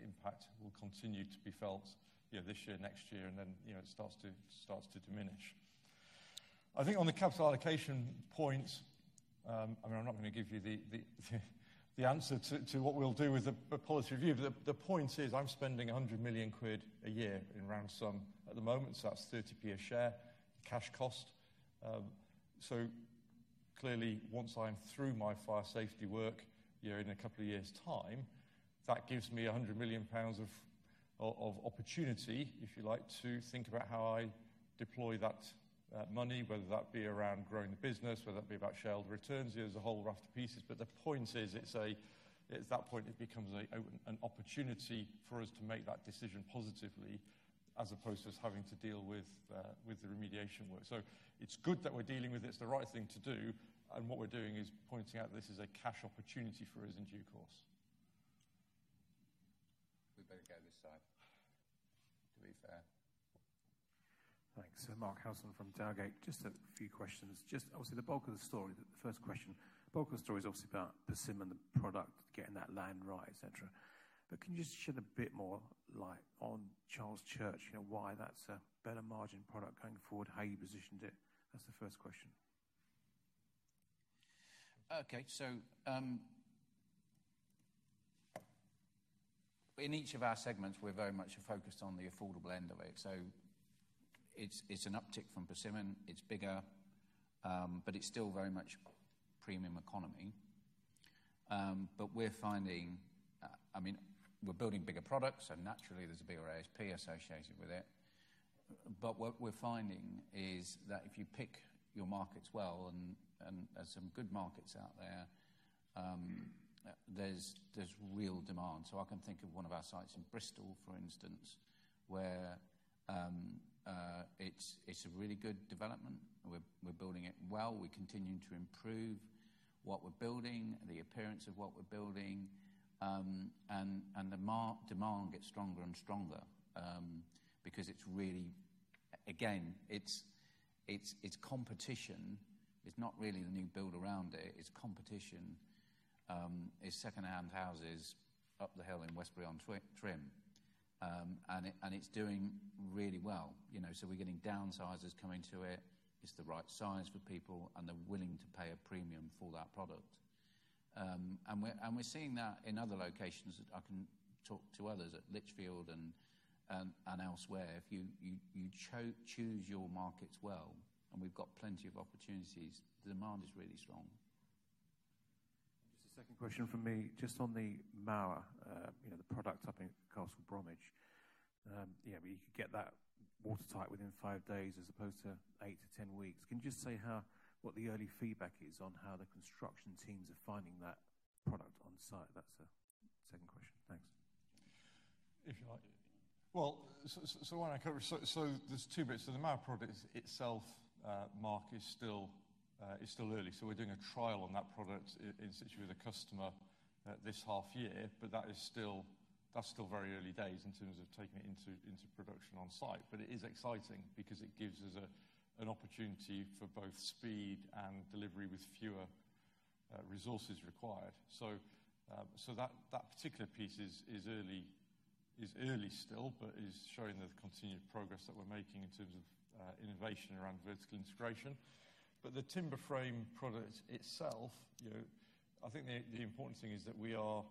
impact will continue to be felt, you know, this year, next year, and then, you know, it starts to diminish. I think on the capital allocation point, I mean, I'm not going to give you the answer to what we'll do with the policy review. The point is I'm spending £100 million a year in round sum at the moment. That's £0.30 a share cash cost. Clearly, once I'm through my fire safety work, you know, in a couple of years' time, that gives me £100 million of opportunity, if you like, to think about how I deploy that money, whether that be around growing the business, whether that be about shareholder returns, you know, there's a whole raft of pieces. The point is, at that point it becomes an opportunity for us to make that decision positively as opposed to us having to deal with the remediation work. It's good that we're dealing with it. It's the right thing to do. What we're doing is pointing out that this is a cash opportunity for us in due course. We'd better go this side to be fair. Thanks. Mark Howson from Dowgate, just a few questions. Obviously, the bulk of the story, the first question, the bulk of the story is obviously about the Persimmon product, getting that land right, etc. Can you just shed a bit more light on Charles Church, you know, why that's a better margin product going forward, how you positioned it? That's the first question. Okay, in each of our segments, we're very much focused on the affordable end of it. It's an uptick from Persimmon. It's bigger, but it's still very much a premium economy. We're finding, I mean, we're building bigger products, so naturally there's a bigger ASP associated with it. What we're finding is that if you pick your markets well, and there's some good markets out there, there's real demand. I can think of one of our sites in Bristol, for instance, where it's a really good development. We're building it well. We're continuing to improve what we're building, the appearance of what we're building, and the demand gets stronger and stronger because it's really, again, it's competition. It's not really the new build around it. It's competition. It's second-hand houses up the hill in Westbury on Trim, and it's doing really well. We're getting downsizers coming to it. It's the right size for people, and they're willing to pay a premium for that product. We're seeing that in other locations. I can talk to others at Litchfield and elsewhere. If you choose your markets well, and we've got plenty of opportunities, the demand is really strong. Just a second question from me, just on the Mauer, you know, the product up in Castle Bromwich. You could get that watertight within five days as opposed to eight to ten weeks. Can you just say what the early feedback is on how the construction teams are finding that product on site? That's a second question. Thanks. If you like. When I cover, there's two bits. The Mauer product itself, Mark, is still early. We're doing a trial on that product in situ with a customer this half year, but that is still very early days in terms of taking it into production on site. It is exciting because it gives us an opportunity for both speed and delivery with fewer resources required. That particular piece is early still, but is showing the continued progress that we're making in terms of innovation around vertical integration. The timber frame product itself, you know, I think the important thing is that we are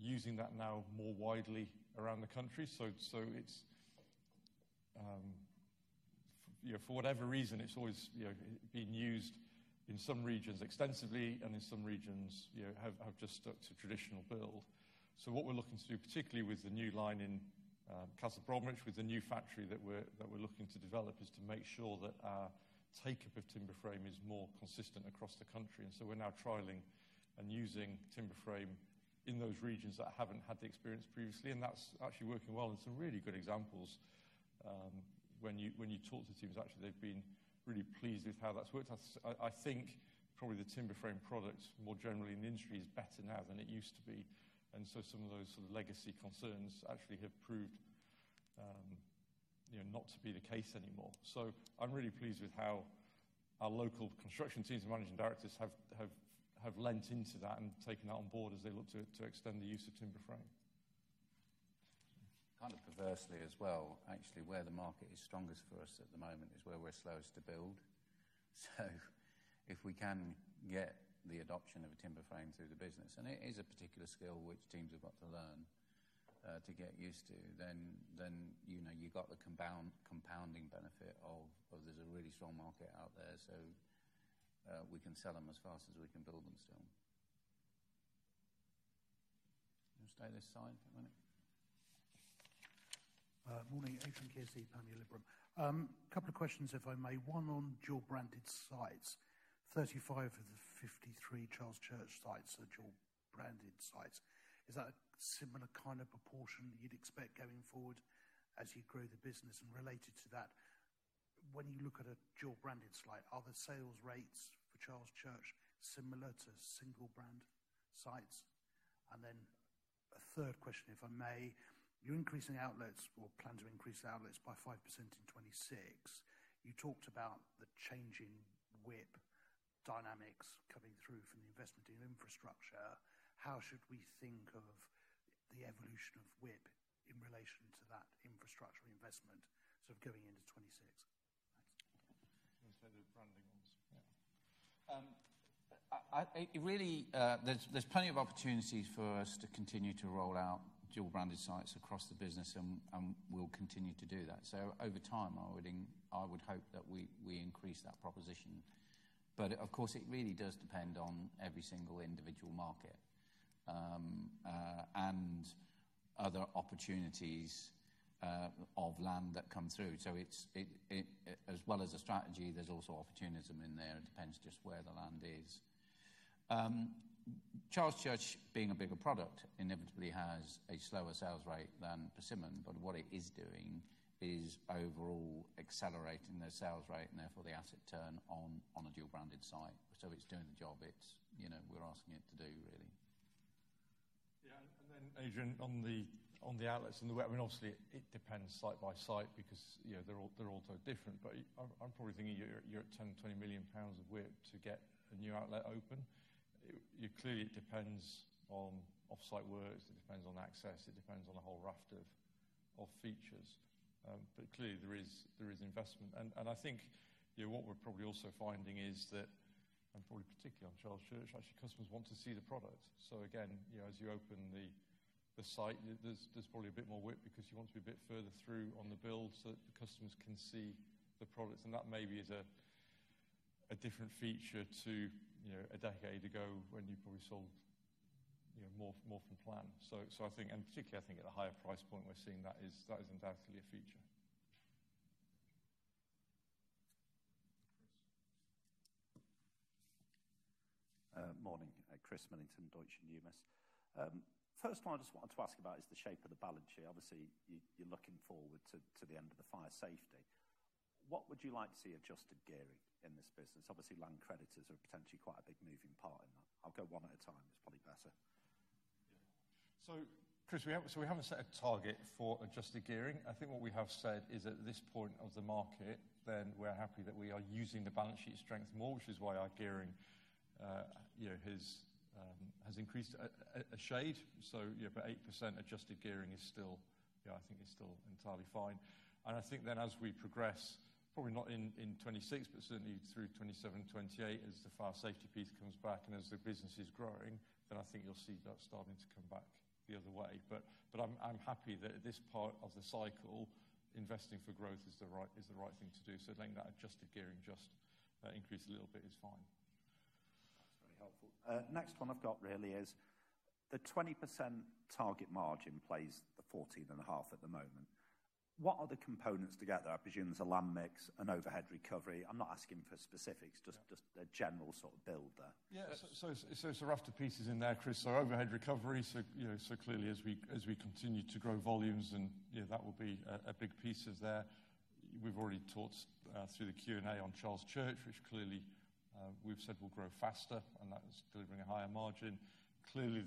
using that now more widely around the country. For whatever reason, it's always being used in some regions extensively and in some regions have just stuck to traditional build. What we're looking to do, particularly with the new line in Castle Bromwich, with the new factory that we're looking to develop, is to make sure that our take-up of timber frame is more consistent across the country. We're now trialing and using timber frame in those regions that haven't had the experience previously. That's actually working well in some really good examples. When you talk to teams, they've been really pleased with how that's worked. I think probably the timber frame product, more generally in the industry, is better now than it used to be. Some of those sort of legacy concerns actually have proved not to be the case anymore. I'm really pleased with how our local construction teams and Managing Directors have lent into that and taken that on board as they look to extend the use of timber frame. Kind of perversely as well, actually, where the market is strongest for us at the moment is where we're slowest to build. If we can get the adoption of a timber frame through the business, and it is a particular skill which teams have got to learn to get used to, then you've got the compounding benefit of there's a really strong market out there. We can sell them as fast as we can build them still. Stay this side for a minute. Morning, Adrian Kearsey, Panmure Liberum. A couple of questions, if I may. One on dual branded sites. 35 of the 53 Charles Church sites are dual branded sites. Is that a similar kind of proportion you'd expect going forward as you grow the business? Related to that, when you look at a dual branded site, are the sales rates for Charles Church similar to single brand sites? A third question, if I may. You're increasing outlets or plan to increase outlets by 5% in 2026. You talked about the changing WIP dynamics coming through from the investment in infrastructure. How should we think of the evolution of WIP in relation to that infrastructure investment going into 2026? Yeah, there's plenty of opportunities for us to continue to roll out dual branded sites across the business, and we'll continue to do that. Over time, I would hope that we increase that proposition. Of course, it really does depend on every single individual market and other opportunities of land that come through. As well as a strategy, there's also opportunism in there. It depends just where the land is. Charles Church, being a bigger product, inevitably has a slower sales rate than Persimmon, but what it is doing is overall accelerating their sales rate and therefore the asset turn on a dual branded site. It's doing the job it's, you know, we're asking it to do, really. Yeah, Adrian, on the outlets and the way I mean, it obviously depends site by site because they're all so different. I'm probably thinking you're at £10 million, £20 million of WIP to get a new outlet open. It clearly depends on offsite work, it depends on access, it depends on a whole raft of features. There is investment. I think what we're probably also finding is that, and probably particularly on Charles Church, actually, customers want to see the product. Again, as you open the site, there's probably a bit more WIP because you want to be a bit further through on the build so that the customers can see the products. That maybe is a different feature to a decade ago when you probably sold more from plan. I think, and particularly at a higher price point, we're seeing that is undoubtedly a feature. Morning, Chris Millington, Deutsche Numis. First of all, I just wanted to ask about the shape of the balance sheet. Obviously, you're looking forward to the end of the fire safety. What would you like to see adjusted gearing in this business? Obviously, land creditors are potentially quite a big moving part in that. I'll go one at a time. It's probably better. Chris, we haven't set a target for adjusted gearing. I think what we have said is at this point of the market, we're happy that we are using the balance sheet strength more, which is why our gearing has increased a shade. 8% adjusted gearing is still, I think, entirely fine. I think as we progress, probably not in 2026, but certainly through 2027, 2028, as the fire safety piece comes back and as the business is growing, you'll see that starting to come back the other way. I'm happy that at this part of the cycle, investing for growth is the right thing to do. Letting that adjusted gearing just increase a little bit is fine. That's very helpful. Next one I've got really is the 20% target margin versus the 14.5% at the moment. What are the components together? I presume it's a land mix, an overhead recovery. I'm not asking for specifics, just a general sort of build there. Yeah, so it's a raft of pieces in there, Chris. Overhead recovery, so clearly as we continue to grow volumes, and yeah, that will be a big piece of there. We've already talked through the Q&A on Charles Church, which clearly we've said will grow faster, and that is delivering a higher margin. Clearly,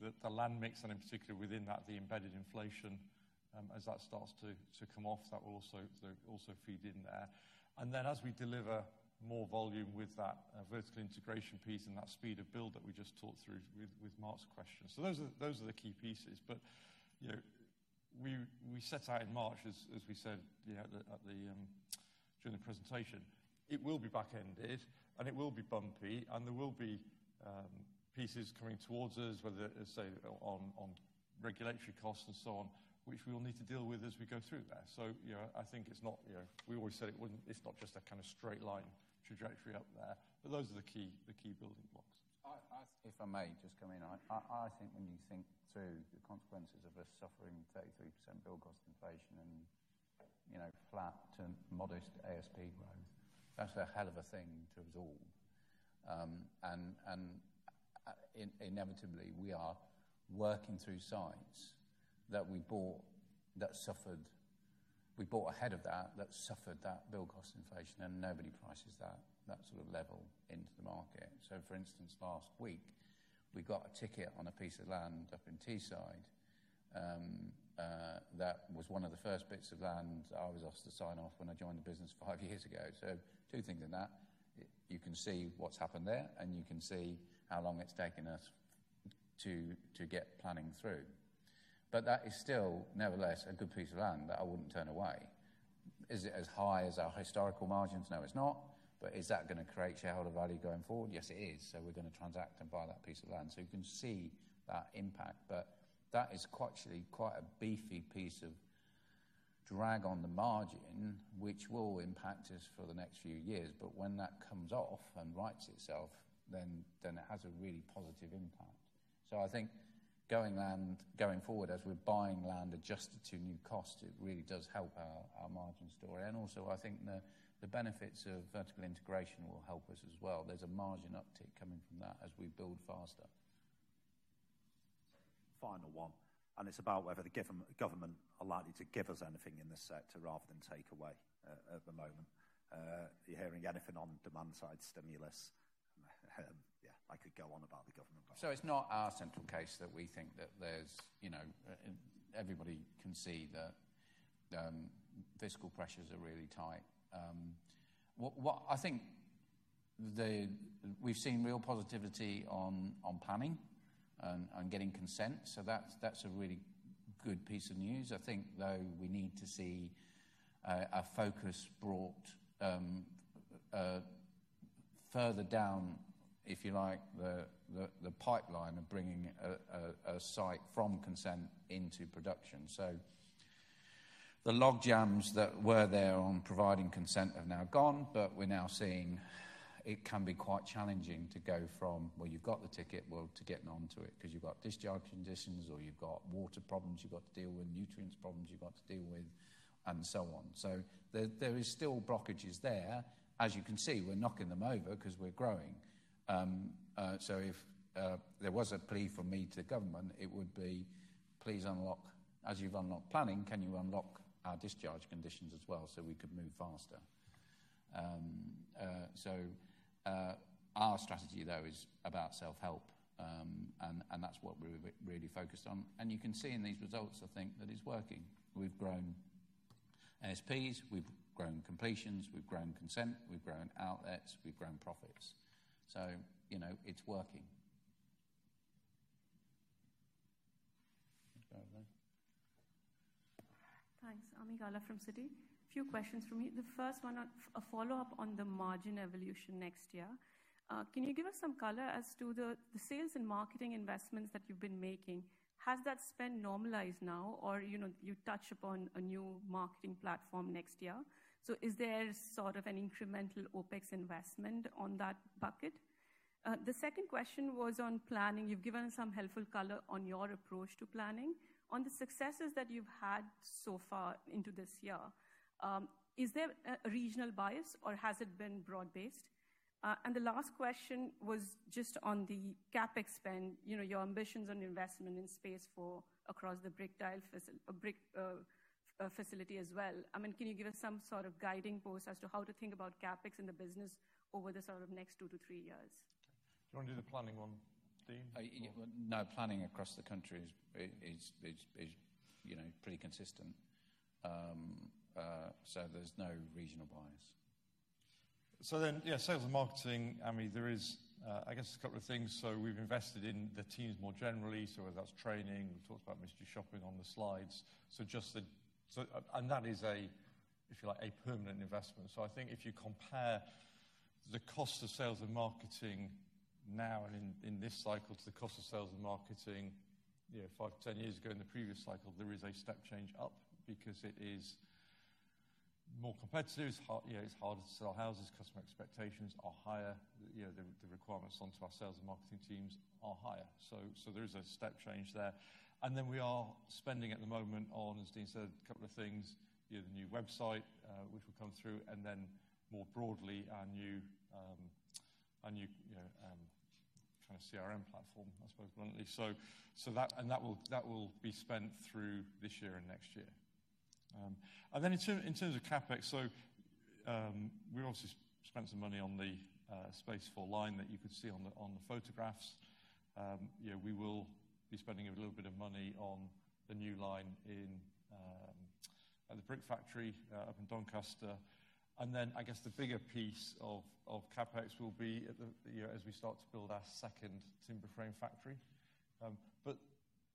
the land mix, and in particular within that, the embedded inflation, as that starts to come off, that will also feed in there. As we deliver more volume with that vertical integration piece and that speed of build that we just talked through with Mark's question, those are the key pieces. We set out in March, as we said during the presentation, it will be back-ended, and it will be bumpy, and there will be pieces coming towards us, whether it's say on regulatory costs and so on, which we will need to deal with as we go through there. I think it's not, you know, we always said it wouldn't, it's not just a kind of straight line trajectory up there, but those are the key building blocks. If I may just come in, I think when you think through the consequences of us suffering 33% build cost inflation and, you know, flat to modest ASP growth, that's a hell of a thing to absorb. Inevitably, we are working through sites that we bought ahead of that that suffered that build cost inflation, and nobody prices that sort of level into the market. For instance, last week, we got a ticket on a piece of land up in Teesside. That was one of the first bits of land that I was asked to sign off when I joined the business five years ago. Two things in that. You can see what's happened there, and you can see how long it's taken us to get planning through. That is still, nevertheless, a good piece of land that I wouldn't turn away. Is it as high as our historical margins? No, it's not. Is that going to create shareholder value going forward? Yes, it is. We are going to transact and buy that piece of land. You can see that impact. That is actually quite a beefy piece of drag on the margin, which will impact us for the next few years. When that comes off and writes itself, it has a really positive impact. I think land going forward, as we're buying land adjusted to new costs, it really does help our margin story. Also, I think the benefits of vertical integration will help us as well. There's a margin uptick coming from that as we build faster. Final one, and it's about whether the government are likely to give us anything in this sector rather than take away at the moment. You're hearing anything on demand side stimulus? Yeah, I could go on about the government. It's not our central case that we think that there's, you know, everybody can see the fiscal pressures are really tight. I think we've seen real positivity on planning and getting consent. That's a really good piece of news. I think though we need to see a focus brought further down, if you like, the pipeline of bringing a site from consent into production. The logjams that were there on providing consent are now gone, but we're now seeing it can be quite challenging to go from, you've got the ticket, to getting onto it because you've got discharge conditions or you've got water problems you've got to deal with, nutrients problems you've got to deal with, and so on. There are still blockages there. As you can see, we're knocking them over because we're growing. If there was a plea from me to government, it would be, please unlock, as you've unlocked planning, can you unlock our discharge conditions as well so we could move faster? Our strategy though is about self-help, and that's what we're really focused on. You can see in these results, I think, that it's working. We've grown ASPs, we've grown completions, we've grown consent, we've grown outlets, we've grown profits. You know, it's working. Thanks, Ami Galla from Citi. A few questions from me. The first one, a follow-up on the margin evolution next year. Can you give us some color as to the sales and marketing investments that you've been making? Has that spend normalized now, or you touch upon a new marketing platform next year? Is there sort of an incremental OpEx investment on that bucket? The second question was on planning. You've given us some helpful color on your approach to planning. On the successes that you've had so far into this year, is there a regional bias, or has it been broad-based? The last question was just on the CapEx spend, your ambitions on investment in Space4 across the brick and tile facility as well. Can you give us some sort of guiding post as to how to think about CapEx in the business over the next two to three years? Do you want to do the planning one, Dean? Yeah. No, planning across the country is, you know, pretty consistent. There's no regional bias. The marketing, I mean, there is, I guess, a couple of things. We've invested in the teams more generally, whether that's training. We've talked about mystery shopping on the slides, and that is, if you like, a permanent investment. I think if you compare the cost of sales and marketing now and in this cycle to the cost of sales and marketing five to ten years ago in the previous cycle, there is a step change up because it is more competitive. It's harder to sell houses. Customer expectations are higher. The requirements onto our sales and marketing teams are higher, so there is a step change there. We are spending at the moment on, as Dean said, a couple of things, the new website, which will come through, and then more broadly, our new kind of CRM platform, I suppose, permanently. That will be spent through this year and next year. In terms of CapEx, we obviously spent some money on the Space4 line that you could see on the photographs. We will be spending a little bit of money on the new line in the brick factory up in Doncaster. I guess the bigger piece of CapEx will be as we start to build our second timber frame factory.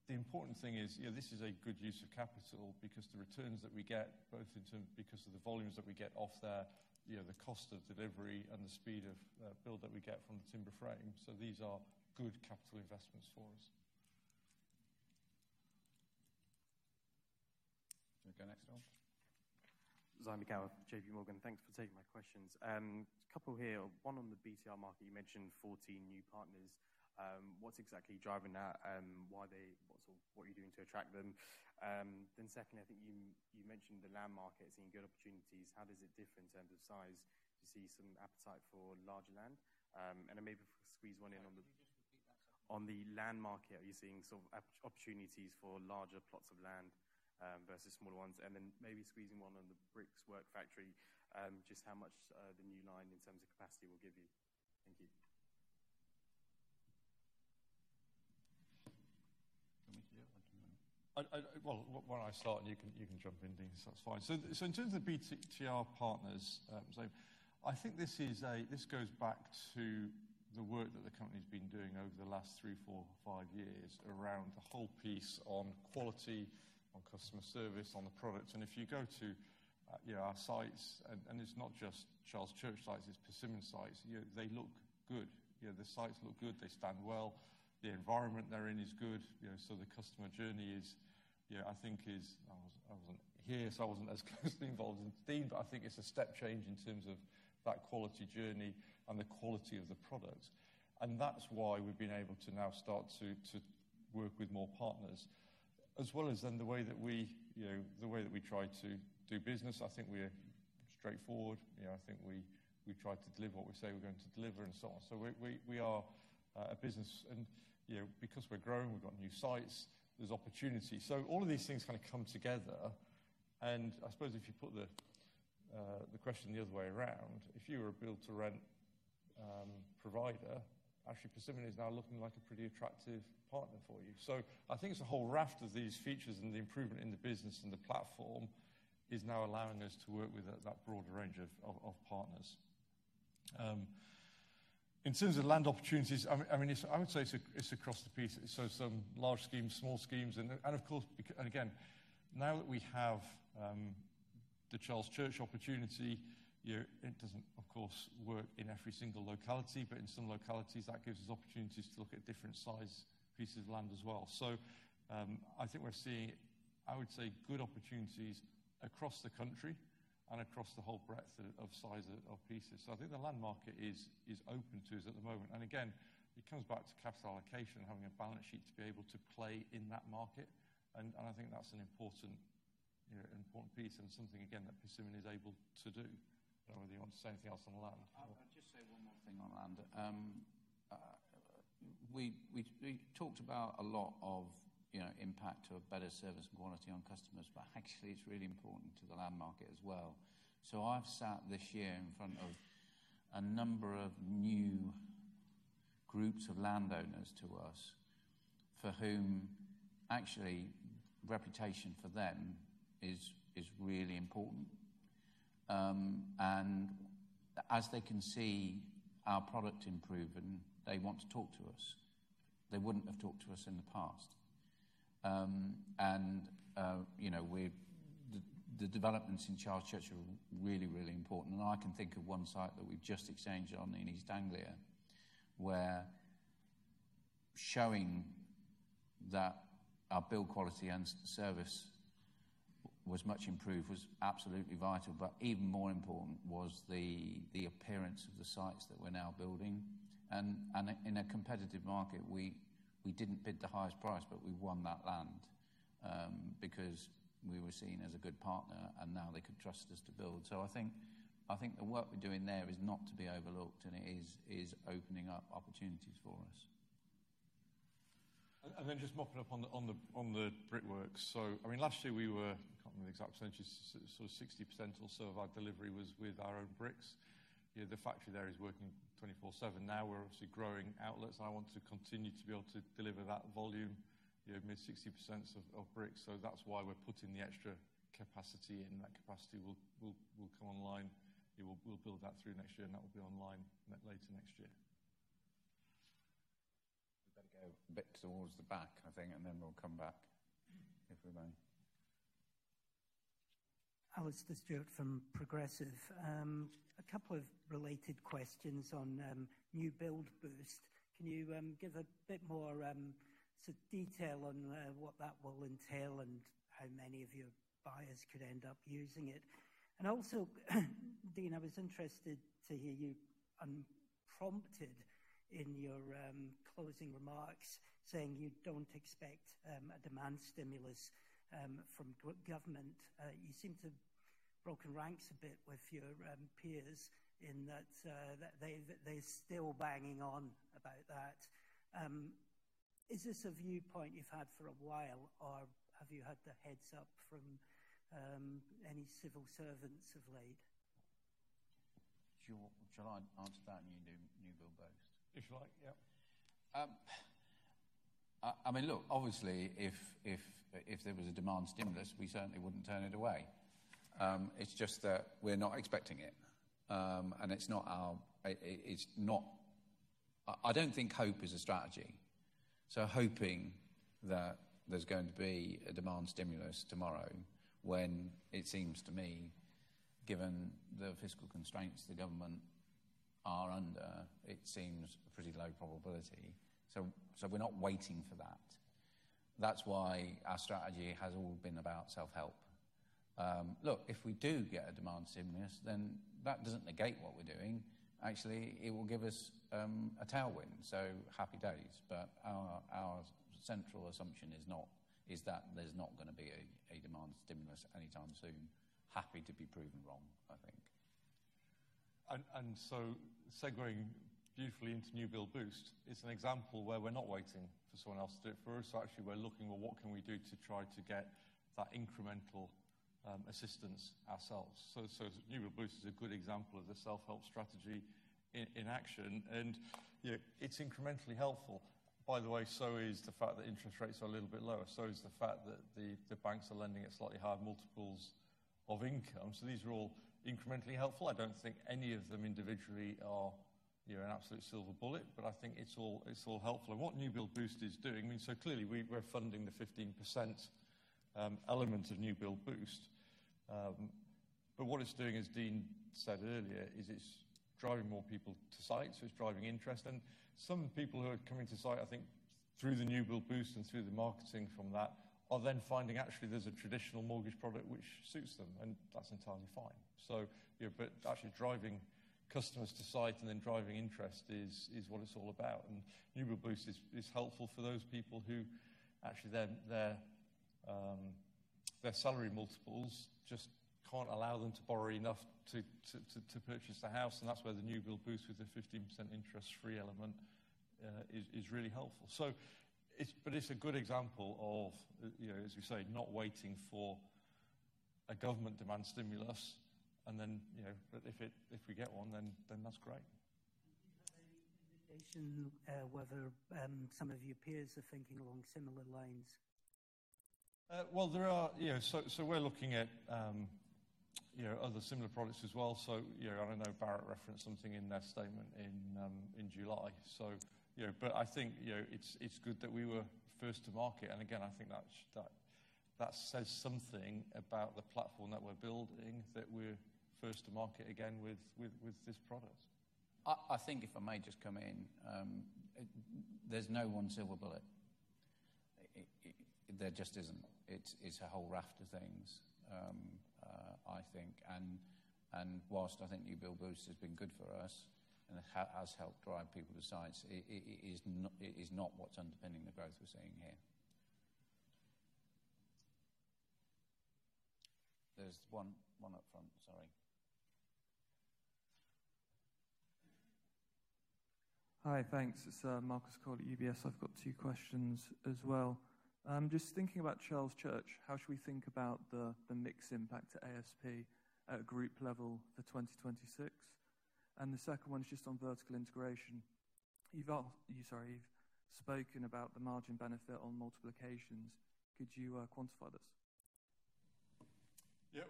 The important thing is, this is a good use of capital because the returns that we get, both in terms of the volumes that we get off there, the cost of delivery, and the speed of build that we get from the timber frame. These are good capital investments for us. To the next one. Zaim Beekawa, JPMorgan. Thanks for taking my questions. A couple here. One on the BCR market. You mentioned 14 new partners. What's exactly driving that? Why they, what's or what you're doing to attract them? Secondly, I think you mentioned the land market seeing good opportunities. How does it differ in terms of size? You see some appetite for larger land. I maybe squeeze one in on the land market. Are you seeing sort of opportunities for larger plots of land versus smaller ones? Maybe squeezing one on the brick and tile lines factory. Just how much the new line in terms of capacity will give you? Thank you. I do. Why don't I start and you can jump in, Dean, if that's fine. In terms of BTTR partners, I think this goes back to the work that the company's been doing over the last three, four, five years around the whole piece on quality, on customer service, on the products. If you go to our sites, and it's not just Charles Church sites, it's Persimmon sites, they look good. The sites look good, they stand well, the environment they're in is good, so the customer journey is, I think, I wasn't here, so I wasn't as closely involved as Dean, but I think it's a step change in terms of that quality journey and the quality of the product. That's why we've been able to now start to work with more partners, as well as in the way that we try to do business. I think we're straightforward. I think we try to deliver what we say we're going to deliver and so on. We are a business, and because we're growing, we've got new sites, there's opportunity. All of these things kind of come together. I suppose if you put the question the other way around, if you were a build-to-rent provider, actually Persimmon is now looking like a pretty attractive partner for you. I think it's a whole raft of these features and the improvement in the business and the platform is now allowing us to work with that broader range of partners. In terms of land opportunities, I would say it's across the piece, so some large schemes, small schemes, and of course, now that we have the Charles Church opportunity, it doesn't, of course, work in every single locality, but in some localities that gives us opportunities to look at different size pieces of land as well. I think we're seeing good opportunities across the country and across the whole breadth of size of pieces. I think the land market is open to us at the moment. It comes back to cash allocation and having a balance sheet to be able to play in that market. I think that's an important piece and something, again, that Persimmon is able to do. I don't know whether you want to say anything else on the land. I'll just say one more thing on land. We talked about a lot of, you know, impact to a better service and quality on customers, but actually it's really important to the land market as well. I've sat this year in front of a number of new groups of landowners to us for whom actually reputation for them is really important. As they can see our product improving, they want to talk to us. They wouldn't have talked to us in the past. The developments in Charles Church are really, really important. I can think of one site that we've just exchanged on in East Anglia, where showing that our build quality and service was much improved was absolutely vital. Even more important was the appearance of the sites that we're now building. In a competitive market, we didn't bid the highest price, but we won that land because we were seen as a good partner and now they could trust us to build. I think the work we're doing there is not to be overlooked and it is opening up opportunities for us. Just mopping up on the brickworks. Last year we were, I can't remember the exact percentage, sort of 60% or so of our delivery was with our own bricks. The factory there is working 24/7. Now we're obviously growing outlets and I want to continue to be able to deliver that volume, mid-60% of bricks. That's why we're putting the extra capacity in. That capacity will come online. We'll build that through next year and that will be online later next year. We'd better go a bit towards the back, I think, and then we'll come back if we're done. Alastair Stewart from Progressive. A couple of related questions on New Build Boost. Can you give a bit more detail on what that will entail and how many of your buyers could end up using it? Dean, I was interested to hear you unprompted in your closing remarks saying you don't expect a demand stimulus from government. You seem to have broken ranks a bit with your peers in that they're still banging on about that. Is this a viewpoint you've had for a while or have you had the heads up from any civil servants of late? Sure, shall I answer that in your New Build Boost? If you like, yeah. I mean, look, obviously if there was a demand stimulus, we certainly wouldn't turn it away. It's just that we're not expecting it. It's not our, I don't think hope is a strategy. Hoping that there's going to be a demand stimulus tomorrow, when it seems to me, given the fiscal constraints the government are under, it seems a pretty low probability. We're not waiting for that. That's why our strategy has all been about self-help. If we do get a demand stimulus, then that doesn't negate what we're doing. Actually, it will give us a tailwind. Happy days. Our central assumption is that there's not going to be a demand stimulus anytime soon. Happy to be proven wrong, I think. Segueing beautifully into New Build Boost, it's an example where we're not waiting for someone else to do it for us. Actually, we're looking at what can we do to try to get that incremental assistance ourselves. New Build Boost is a good example of the self-help strategy in action, and it's incrementally helpful. By the way, so is the fact that interest rates are a little bit lower. So is the fact that the banks are lending at slightly higher multiples of income. These are all incrementally helpful. I don't think any of them individually are an absolute silver bullet, but I think it's all helpful. What New Build Boost is doing, I mean, so clearly we're funding the 15% element of New Build Boost. What it's doing, as Dean said earlier, is it's driving more people to site, so it's driving interest. Some people who are coming to site, I think, through the New Build Boost and through the marketing from that are then finding actually there's a traditional mortgage product which suits them, and that's entirely fine. Actually driving customers to site and then driving interest is what it's all about. New Build Boost is helpful for those people who actually their salary multiples just can't allow them to borrow enough to purchase a house. That's where the New Build Boost with the 15% interest-free element is really helpful. It's a good example of, as we say, not waiting for a government demand stimulus. If we get one, then that's great. In addition, whether some of your peers are thinking along similar lines? We are looking at other similar products as well. I don't know, Barratt referenced something in their statement in July. I think it's good that we were first to market. I think that says something about the platform that we're building, that we're first to market again with this product. I think if I may just come in, there's no one silver bullet. There just isn't. It's a whole raft of things, I think. Whilst I think New Build Boost has been good for us and has helped drive people to sites, it is not what's underpinning the growth we're seeing here. There's one up front, sorry. Hi, thanks. It's Marcus Cole at UBS. I've got two questions as well. I'm just thinking about Charles Church. How should we think about the mix impact to ASP at a group level for 2026? The second one is just on vertical integration. You've spoken about the margin benefit on multiplications. Could you quantify this? Yeah,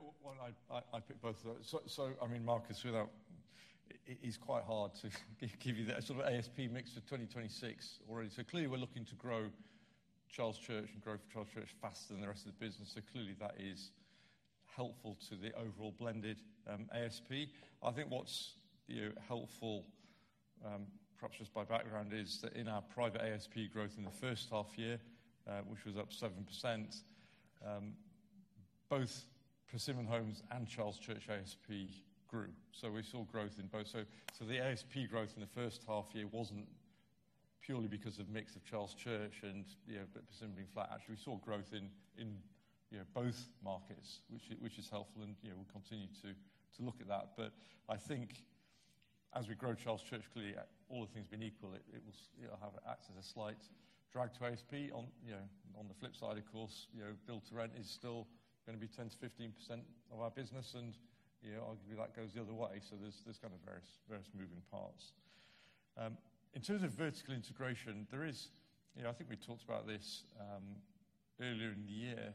I picked both of those. I mean, Marcus, without it, it is quite hard to give you that sort of ASP mix of 2026 already. Clearly, we're looking to grow Charles Church and grow Charles Church faster than the rest of the business. Clearly, that is helpful to the overall blended ASP. I think what's helpful, perhaps just by background, is that in our private ASP growth in the first half year, which was up 7%, both Persimmon Homes and Charles Church ASP grew. We saw growth in both. The ASP growth in the first half year wasn't purely because of the mix of Charles Church and Persimmon being flat. Actually, we saw growth in both markets, which is helpful, and we'll continue to look at that. As we grow Charles Church, all other things being equal, it will have access to a slight drag to ASP. On the flip side, of course, build-to-rent is still going to be 10%-15% of our business, and arguably that goes the other way. There are various moving parts. In terms of vertical integration, I think we talked about this earlier in the year,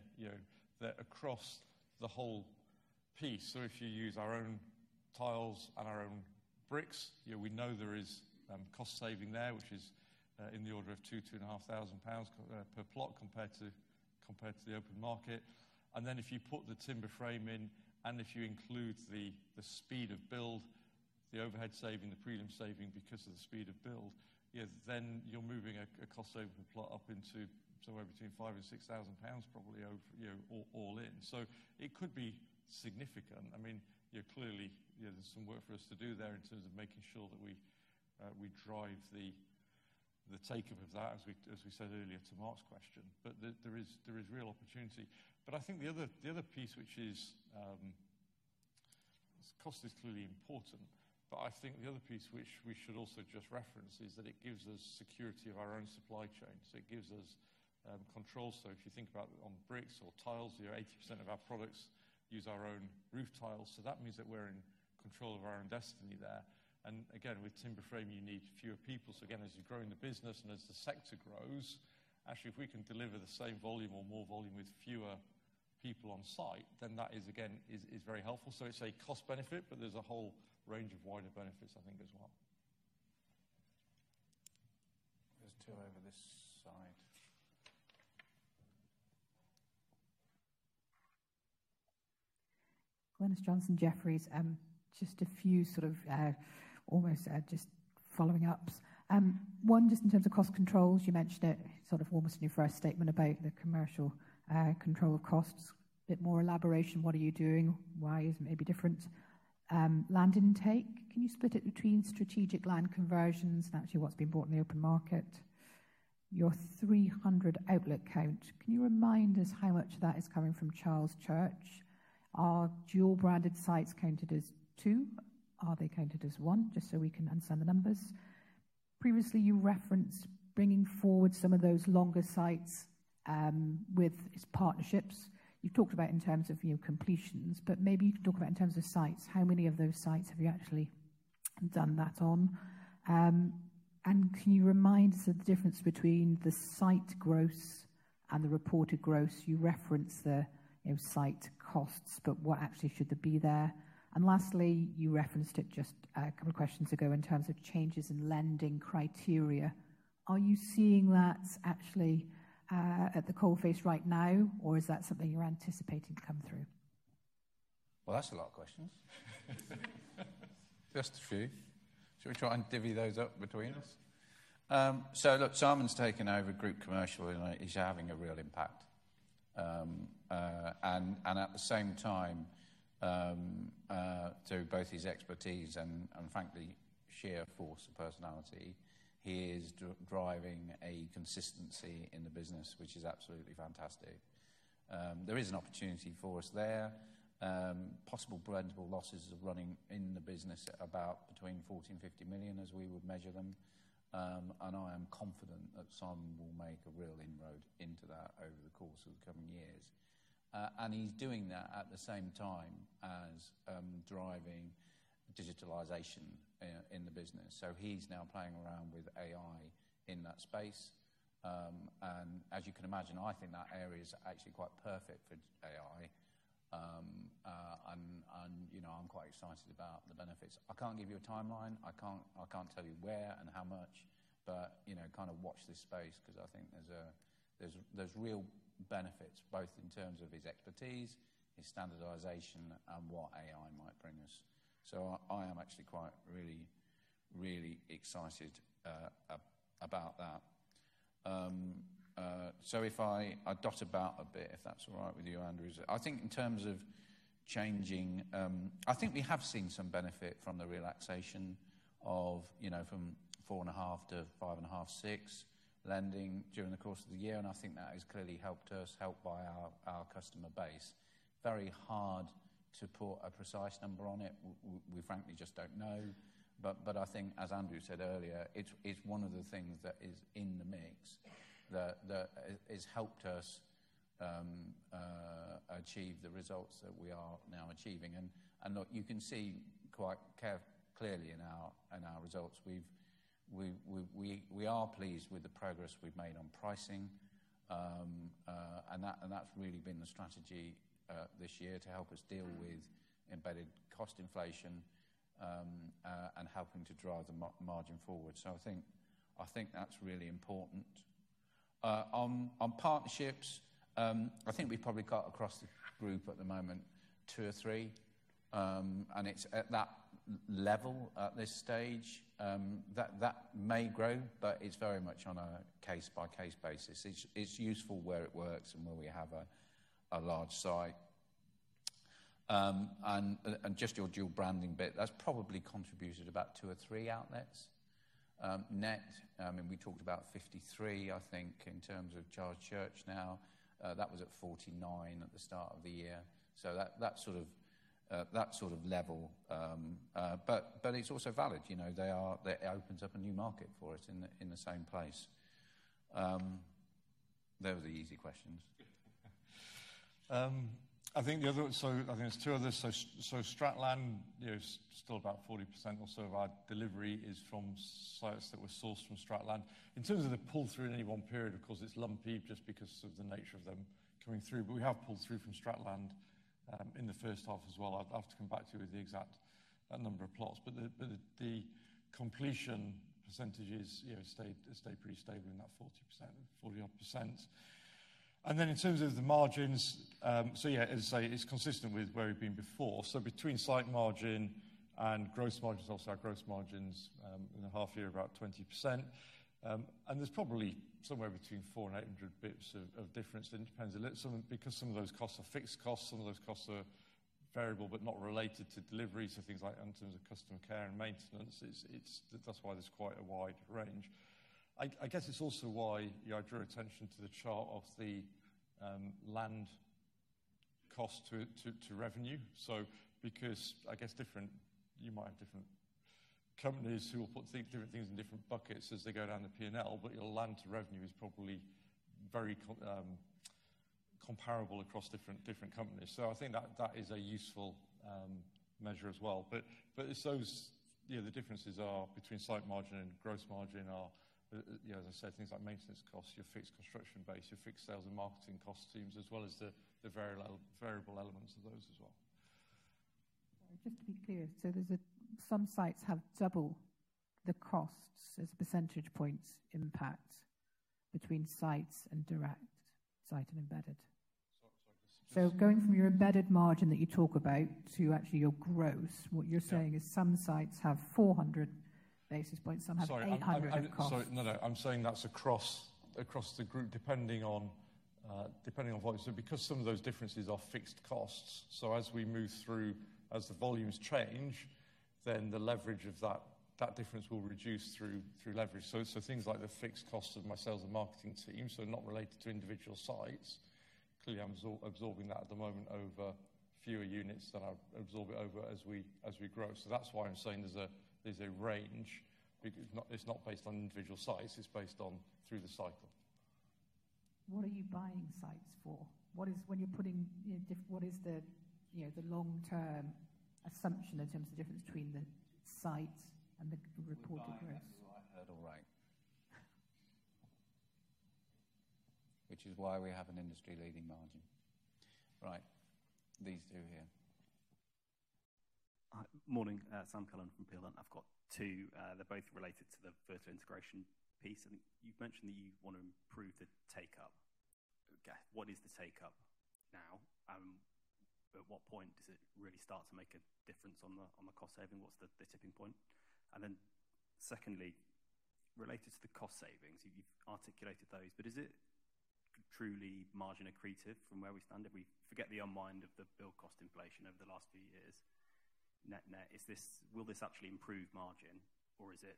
that is across the whole piece. If you use our own tiles and our own bricks, we know there is cost saving there, which is in the order of £2,000-£2,500 per plot compared to the open market. If you put the timber frame in, and if you include the speed of build, the overhead saving, the premium saving because of the speed of build, then you're moving a cost saving per plot up into somewhere between £5,000 and £6,000 probably over, all in. It could be significant. Clearly, there's some work for us to do there in terms of making sure that we drive the take-up of that, as we said earlier to Mark's question. There is real opportunity. The other piece, which is cost is clearly important, but the other piece which we should also just reference is that it gives us security of our own supply chain. It gives us control. If you think about it on bricks or tiles, 80% of our products use our own roof tiles. That means that we're in control of our own destiny there. Again, with timber frame, you need fewer people. As you grow in the business and as the sector grows, if we can deliver the same volume or more volume with fewer people on site, that is, again, very helpful. It's a cost benefit, but there's a whole range of wider benefits, I think, as well. There's two over this side. Glynis Johnson, Jefferies, just a few sort of, almost just following ups. One, just in terms of cost controls, you mentioned it sort of almost in your first statement about the commercial, control of costs. A bit more elaboration, what are you doing? Why is it maybe different? Land intake, can you split it between strategic land conversions and actually what's been bought in the open market? Your 300 outlet count, can you remind us how much of that is coming from Charles Church? Are dual branded sites counted as two? Are they counted as one? Just so we can understand the numbers. Previously, you referenced bringing forward some of those longer sites, with its partnerships. You've talked about in terms of, you know, completions, but maybe you can talk about in terms of sites, how many of those sites have you actually done that on? Can you remind us of the difference between the site growth and the reported growth? You referenced the, you know, site costs, but what actually should there be there? Lastly, you referenced it just a couple of questions ago in terms of changes in lending criteria. Are you seeing that actually, at the coal face right now, or is that something you're anticipating to come through? That's a lot of questions. Just a few. Should we try and divvy those up between us? Simon's taken over Group Commercial and he's having a real impact. At the same time, through both his expertise and, frankly, sheer force of personality, he is driving a consistency in the business, which is absolutely fantastic. There is an opportunity for us there. Possible brandable losses are running in the business at about between £40 million and £50 million as we would measure them. I am confident that Simon will make a real inroad into that over the course of the coming years. He's doing that at the same time as driving digitalization in the business. He's now playing around with AI in that space. As you can imagine, I think that area is actually quite perfect for AI. I'm quite excited about the benefits. I can't give you a timeline. I can't tell you where and how much, but kind of watch this space because I think there's real benefits both in terms of his expertise, his standardization, and what AI might bring us. I am actually really, really excited about that. If I dot about a bit, if that's all right with you, Andrew, I think in terms of changing, we have seen some benefit from the relaxation of, you know, from 4.5%-5.6% lending during the course of the year. I think that has clearly helped us, helped by our customer base. Very hard to put a precise number on it. We frankly just don't know. I think, as Andrew said earlier, it's one of the things that is in the mix that has helped us achieve the results that we are now achieving. You can see quite clearly in our results, we are pleased with the progress we've made on pricing. That's really been the strategy this year to help us deal with embedded cost inflation and helping to drive the margin forward. I think that's really important. On partnerships, we've probably got across the group at the moment two or three. It's at that level at this stage. That may grow, but it's very much on a case-by-case basis. It's useful where it works and where we have a large site. Just your dual branding bit, that's probably contributed about two or three outlets. Net, I mean, we talked about 53, I think, in terms of Charles Church now. That was at 49 at the start of the year. So that sort of level, but it's also valid. It opens up a new market for us in the same place. They were the easy questions. I think the other, I think there's two others. Stratland, you know, still about 40% or so of our delivery is from sites that were sourced from Stratland. In terms of the pull-through in any one period, of course, it's lumpy just because of the nature of them coming through. We have pulled through from Stratland in the first half as well. I'll have to come back to you with the exact number of plots. The completion percentage has stayed pretty stable in that 40%. In terms of the margins, it's consistent with where we've been before. Between site margin and gross margins, obviously our gross margins in a half year are about 20%. There's probably somewhere between 400 and 800 bps of difference. It depends a little because some of those costs are fixed costs. Some of those costs are variable but not related to deliveries. Things like in terms of customer care and maintenance, that's why there's quite a wide range. I guess it's also why I drew attention to the chart of the land cost to revenue. Different companies might put different things in different buckets as they go down the P&L, but your land to revenue is probably very comparable across different companies. I think that is a useful measure as well. It shows the differences between site margin and gross margin are, as I said, things like maintenance costs, your fixed construction base, your fixed sales and marketing cost teams, as well as the variable elements of those as well. Just to be clear, some sites have double the costs as percentage points impact between sites and direct site and embedded. Going from your embedded margin that you talk about to actually your gross, what you're saying is some sites have 400 basis points, some have 800. I'm saying that's across the group depending on what you said because some of those differences are fixed costs. As we move through, as the volumes change, the leverage of that difference will reduce through leverage. Things like the fixed cost of my sales and marketing team, not related to individual sites, clearly I'm absorbing that at the moment over fewer units than I absorb it over as we grow. That's why I'm saying there's a range. It's not based on individual sites, it's based on through the cycle. What are you buying sites for? What is, when you're putting, what is the long-term assumption in terms of the difference between the site and the reported gross? Right, which is why we have an industry-leading margin. Right, these two here. Morning, Sam Cullen from Peel Hunt. I've got two. They're both related to the vertical integration piece. You’ve mentioned that you want to improve the take-up. What is the take-up now? At what point does it really start to make a difference on the cost saving? What's the tipping point? Secondly, related to the cost savings, you've articulated those, but is it truly margin accretive from where we stand? If we forget the unwind of the build cost inflation over the last few years, net net, will this actually improve margin or is it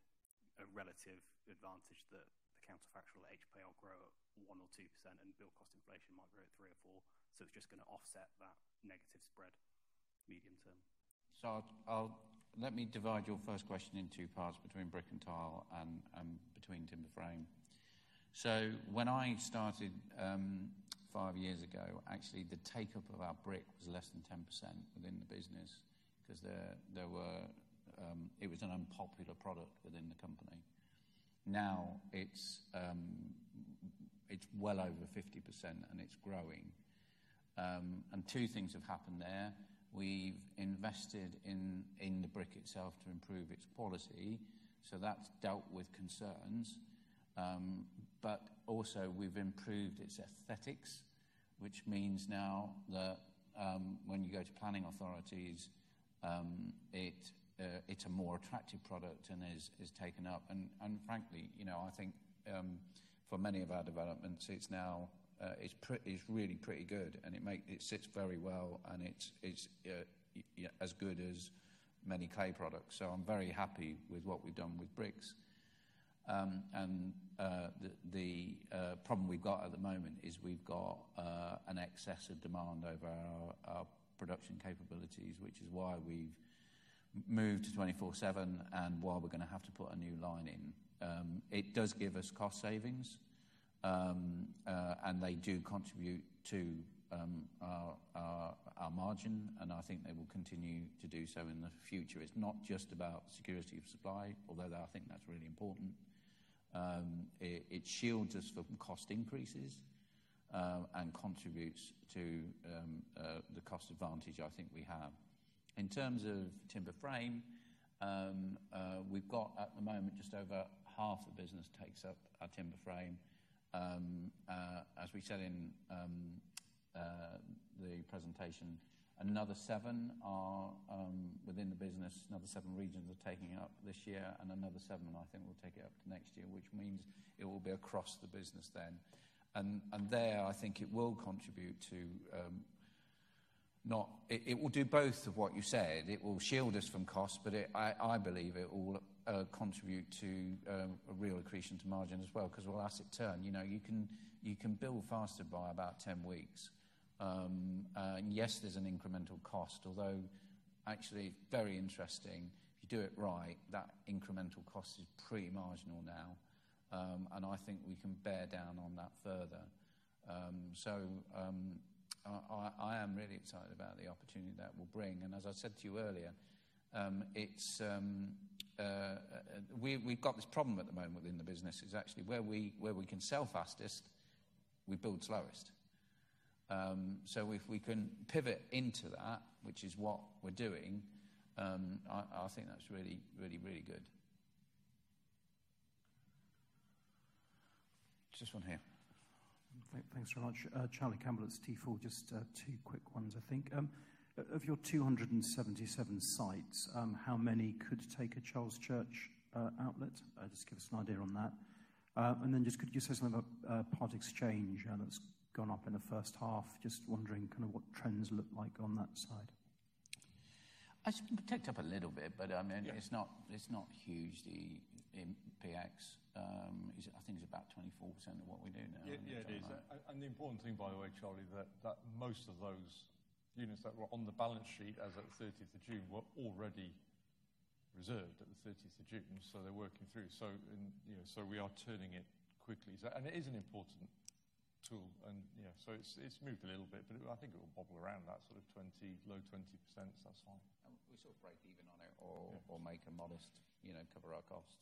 a relative advantage that the counterfactual HPI will grow at 1% or 2% and build cost inflation might grow at 3% or 4%? It's just going to offset that negative spread medium term. Let me divide your first question in two parts, between brick and tile and between timber frame. When I started five years ago, the take-up of our brick was less than 10% within the business because it was an unpopular product within the company. Now it's well over 50% and it's growing. Two things have happened there. We've invested in the brick itself to improve its quality, so that's dealt with concerns. We've also improved its aesthetics, which means now that when you go to planning authorities, it's a more attractive product and is taken up. Frankly, I think for many of our developments, it's now really pretty good and it sits very well and it's as good as many clay products. I'm very happy with what we've done with bricks. The problem we've got at the moment is we've got excessive demand over our production capabilities, which is why we've moved to 24/7 and why we're going to have to put a new line in. It does give us cost savings and they do contribute to our margin and I think they will continue to do so in the future. It's not just about security of supply, although I think that's really important. It shields us from cost increases and contributes to the cost advantage I think we have. In terms of timber frame, we've got at the moment just over half the business takes up our timber frame. As we said in the presentation, another seven are within the business, another seven regions are taking up this year and another seven I think will take it up next year, which means it will be across the business then. There I think it will contribute to, it will do both of what you said, it will shield us from costs, but I believe it will contribute to a real accretion to margin as well because we'll ask it to turn. You can build faster by about 10 weeks. Yes, there's an incremental cost, although actually very interesting if you do it right, that incremental cost is pre-marginal now. I think we can bear down on that further. I am really excited about the opportunity that will bring. As I said to you earlier, we've got this problem at the moment within the business. It's actually where we can sell fastest, we build slowest. If we can pivot into that, which is what we're doing, I think that's really, really, really good. Just one here. Thanks very much. Charlie Campbell with Stifel, just two quick ones, I think. Of your 277 sites, how many could take a Charles Church outlet? Just give us an idea on that. Could you say something about part exchange that's gone up in the first half? Just wondering kind of what trends look like on that side. It's picked up a little bit, but I mean it's not huge. The PX, I think it's about 24% of what we're doing now. Yeah, it is. The important thing, by the way, Charlie, is that most of those units that were on the balance sheet as at the 30th of June were already reserved at the 30th of June. They're working through, so we are turning it quickly. It is an important tool. Yeah, it's moved a little bit, but I think it will bubble around that sort of 20, low 20%. We'll sort of break even on it or make a modest, you know, cover our costs.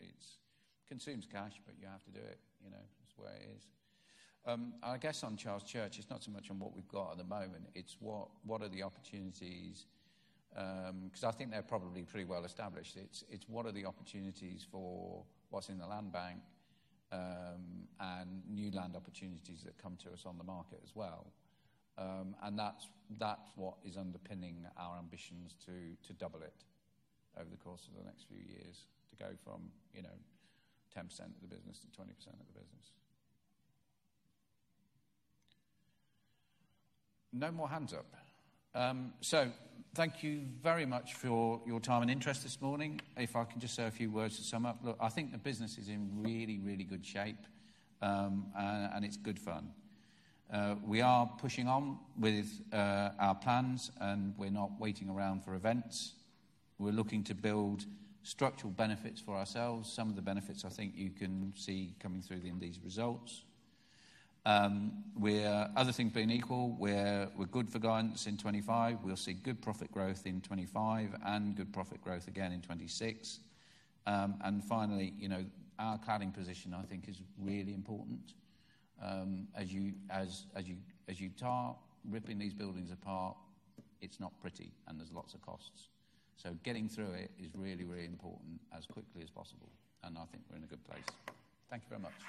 It consumes cash, but you have to do it, you know, is where it is. I guess on Charles Church, it's not so much on what we've got at the moment. It's what are the opportunities? I think they're probably pretty well established. It's what are the opportunities for what's in the land bank and new land opportunities that come to us on the market as well. That's what is underpinning our ambitions to double it over the course of the next few years to go from, you know, 10% of the business to 20% of the business. No more hands up. Thank you very much for your time and interest this morning. If I can just say a few words to sum up, look, I think the business is in really, really good shape. It's good fun. We are pushing on with our plans and we're not waiting around for events. We're looking to build structural benefits for ourselves. Some of the benefits I think you can see coming through in these results. Other things being equal, we're good for guidance in 2025. We'll see good profit growth in 2025 and good profit growth again in 2026. Finally, you know, our cladding position I think is really important. As you tell, ripping these buildings apart, it's not pretty and there's lots of costs. Getting through it is really, really important as quickly as possible. I think we're in a good place. Thank you very much.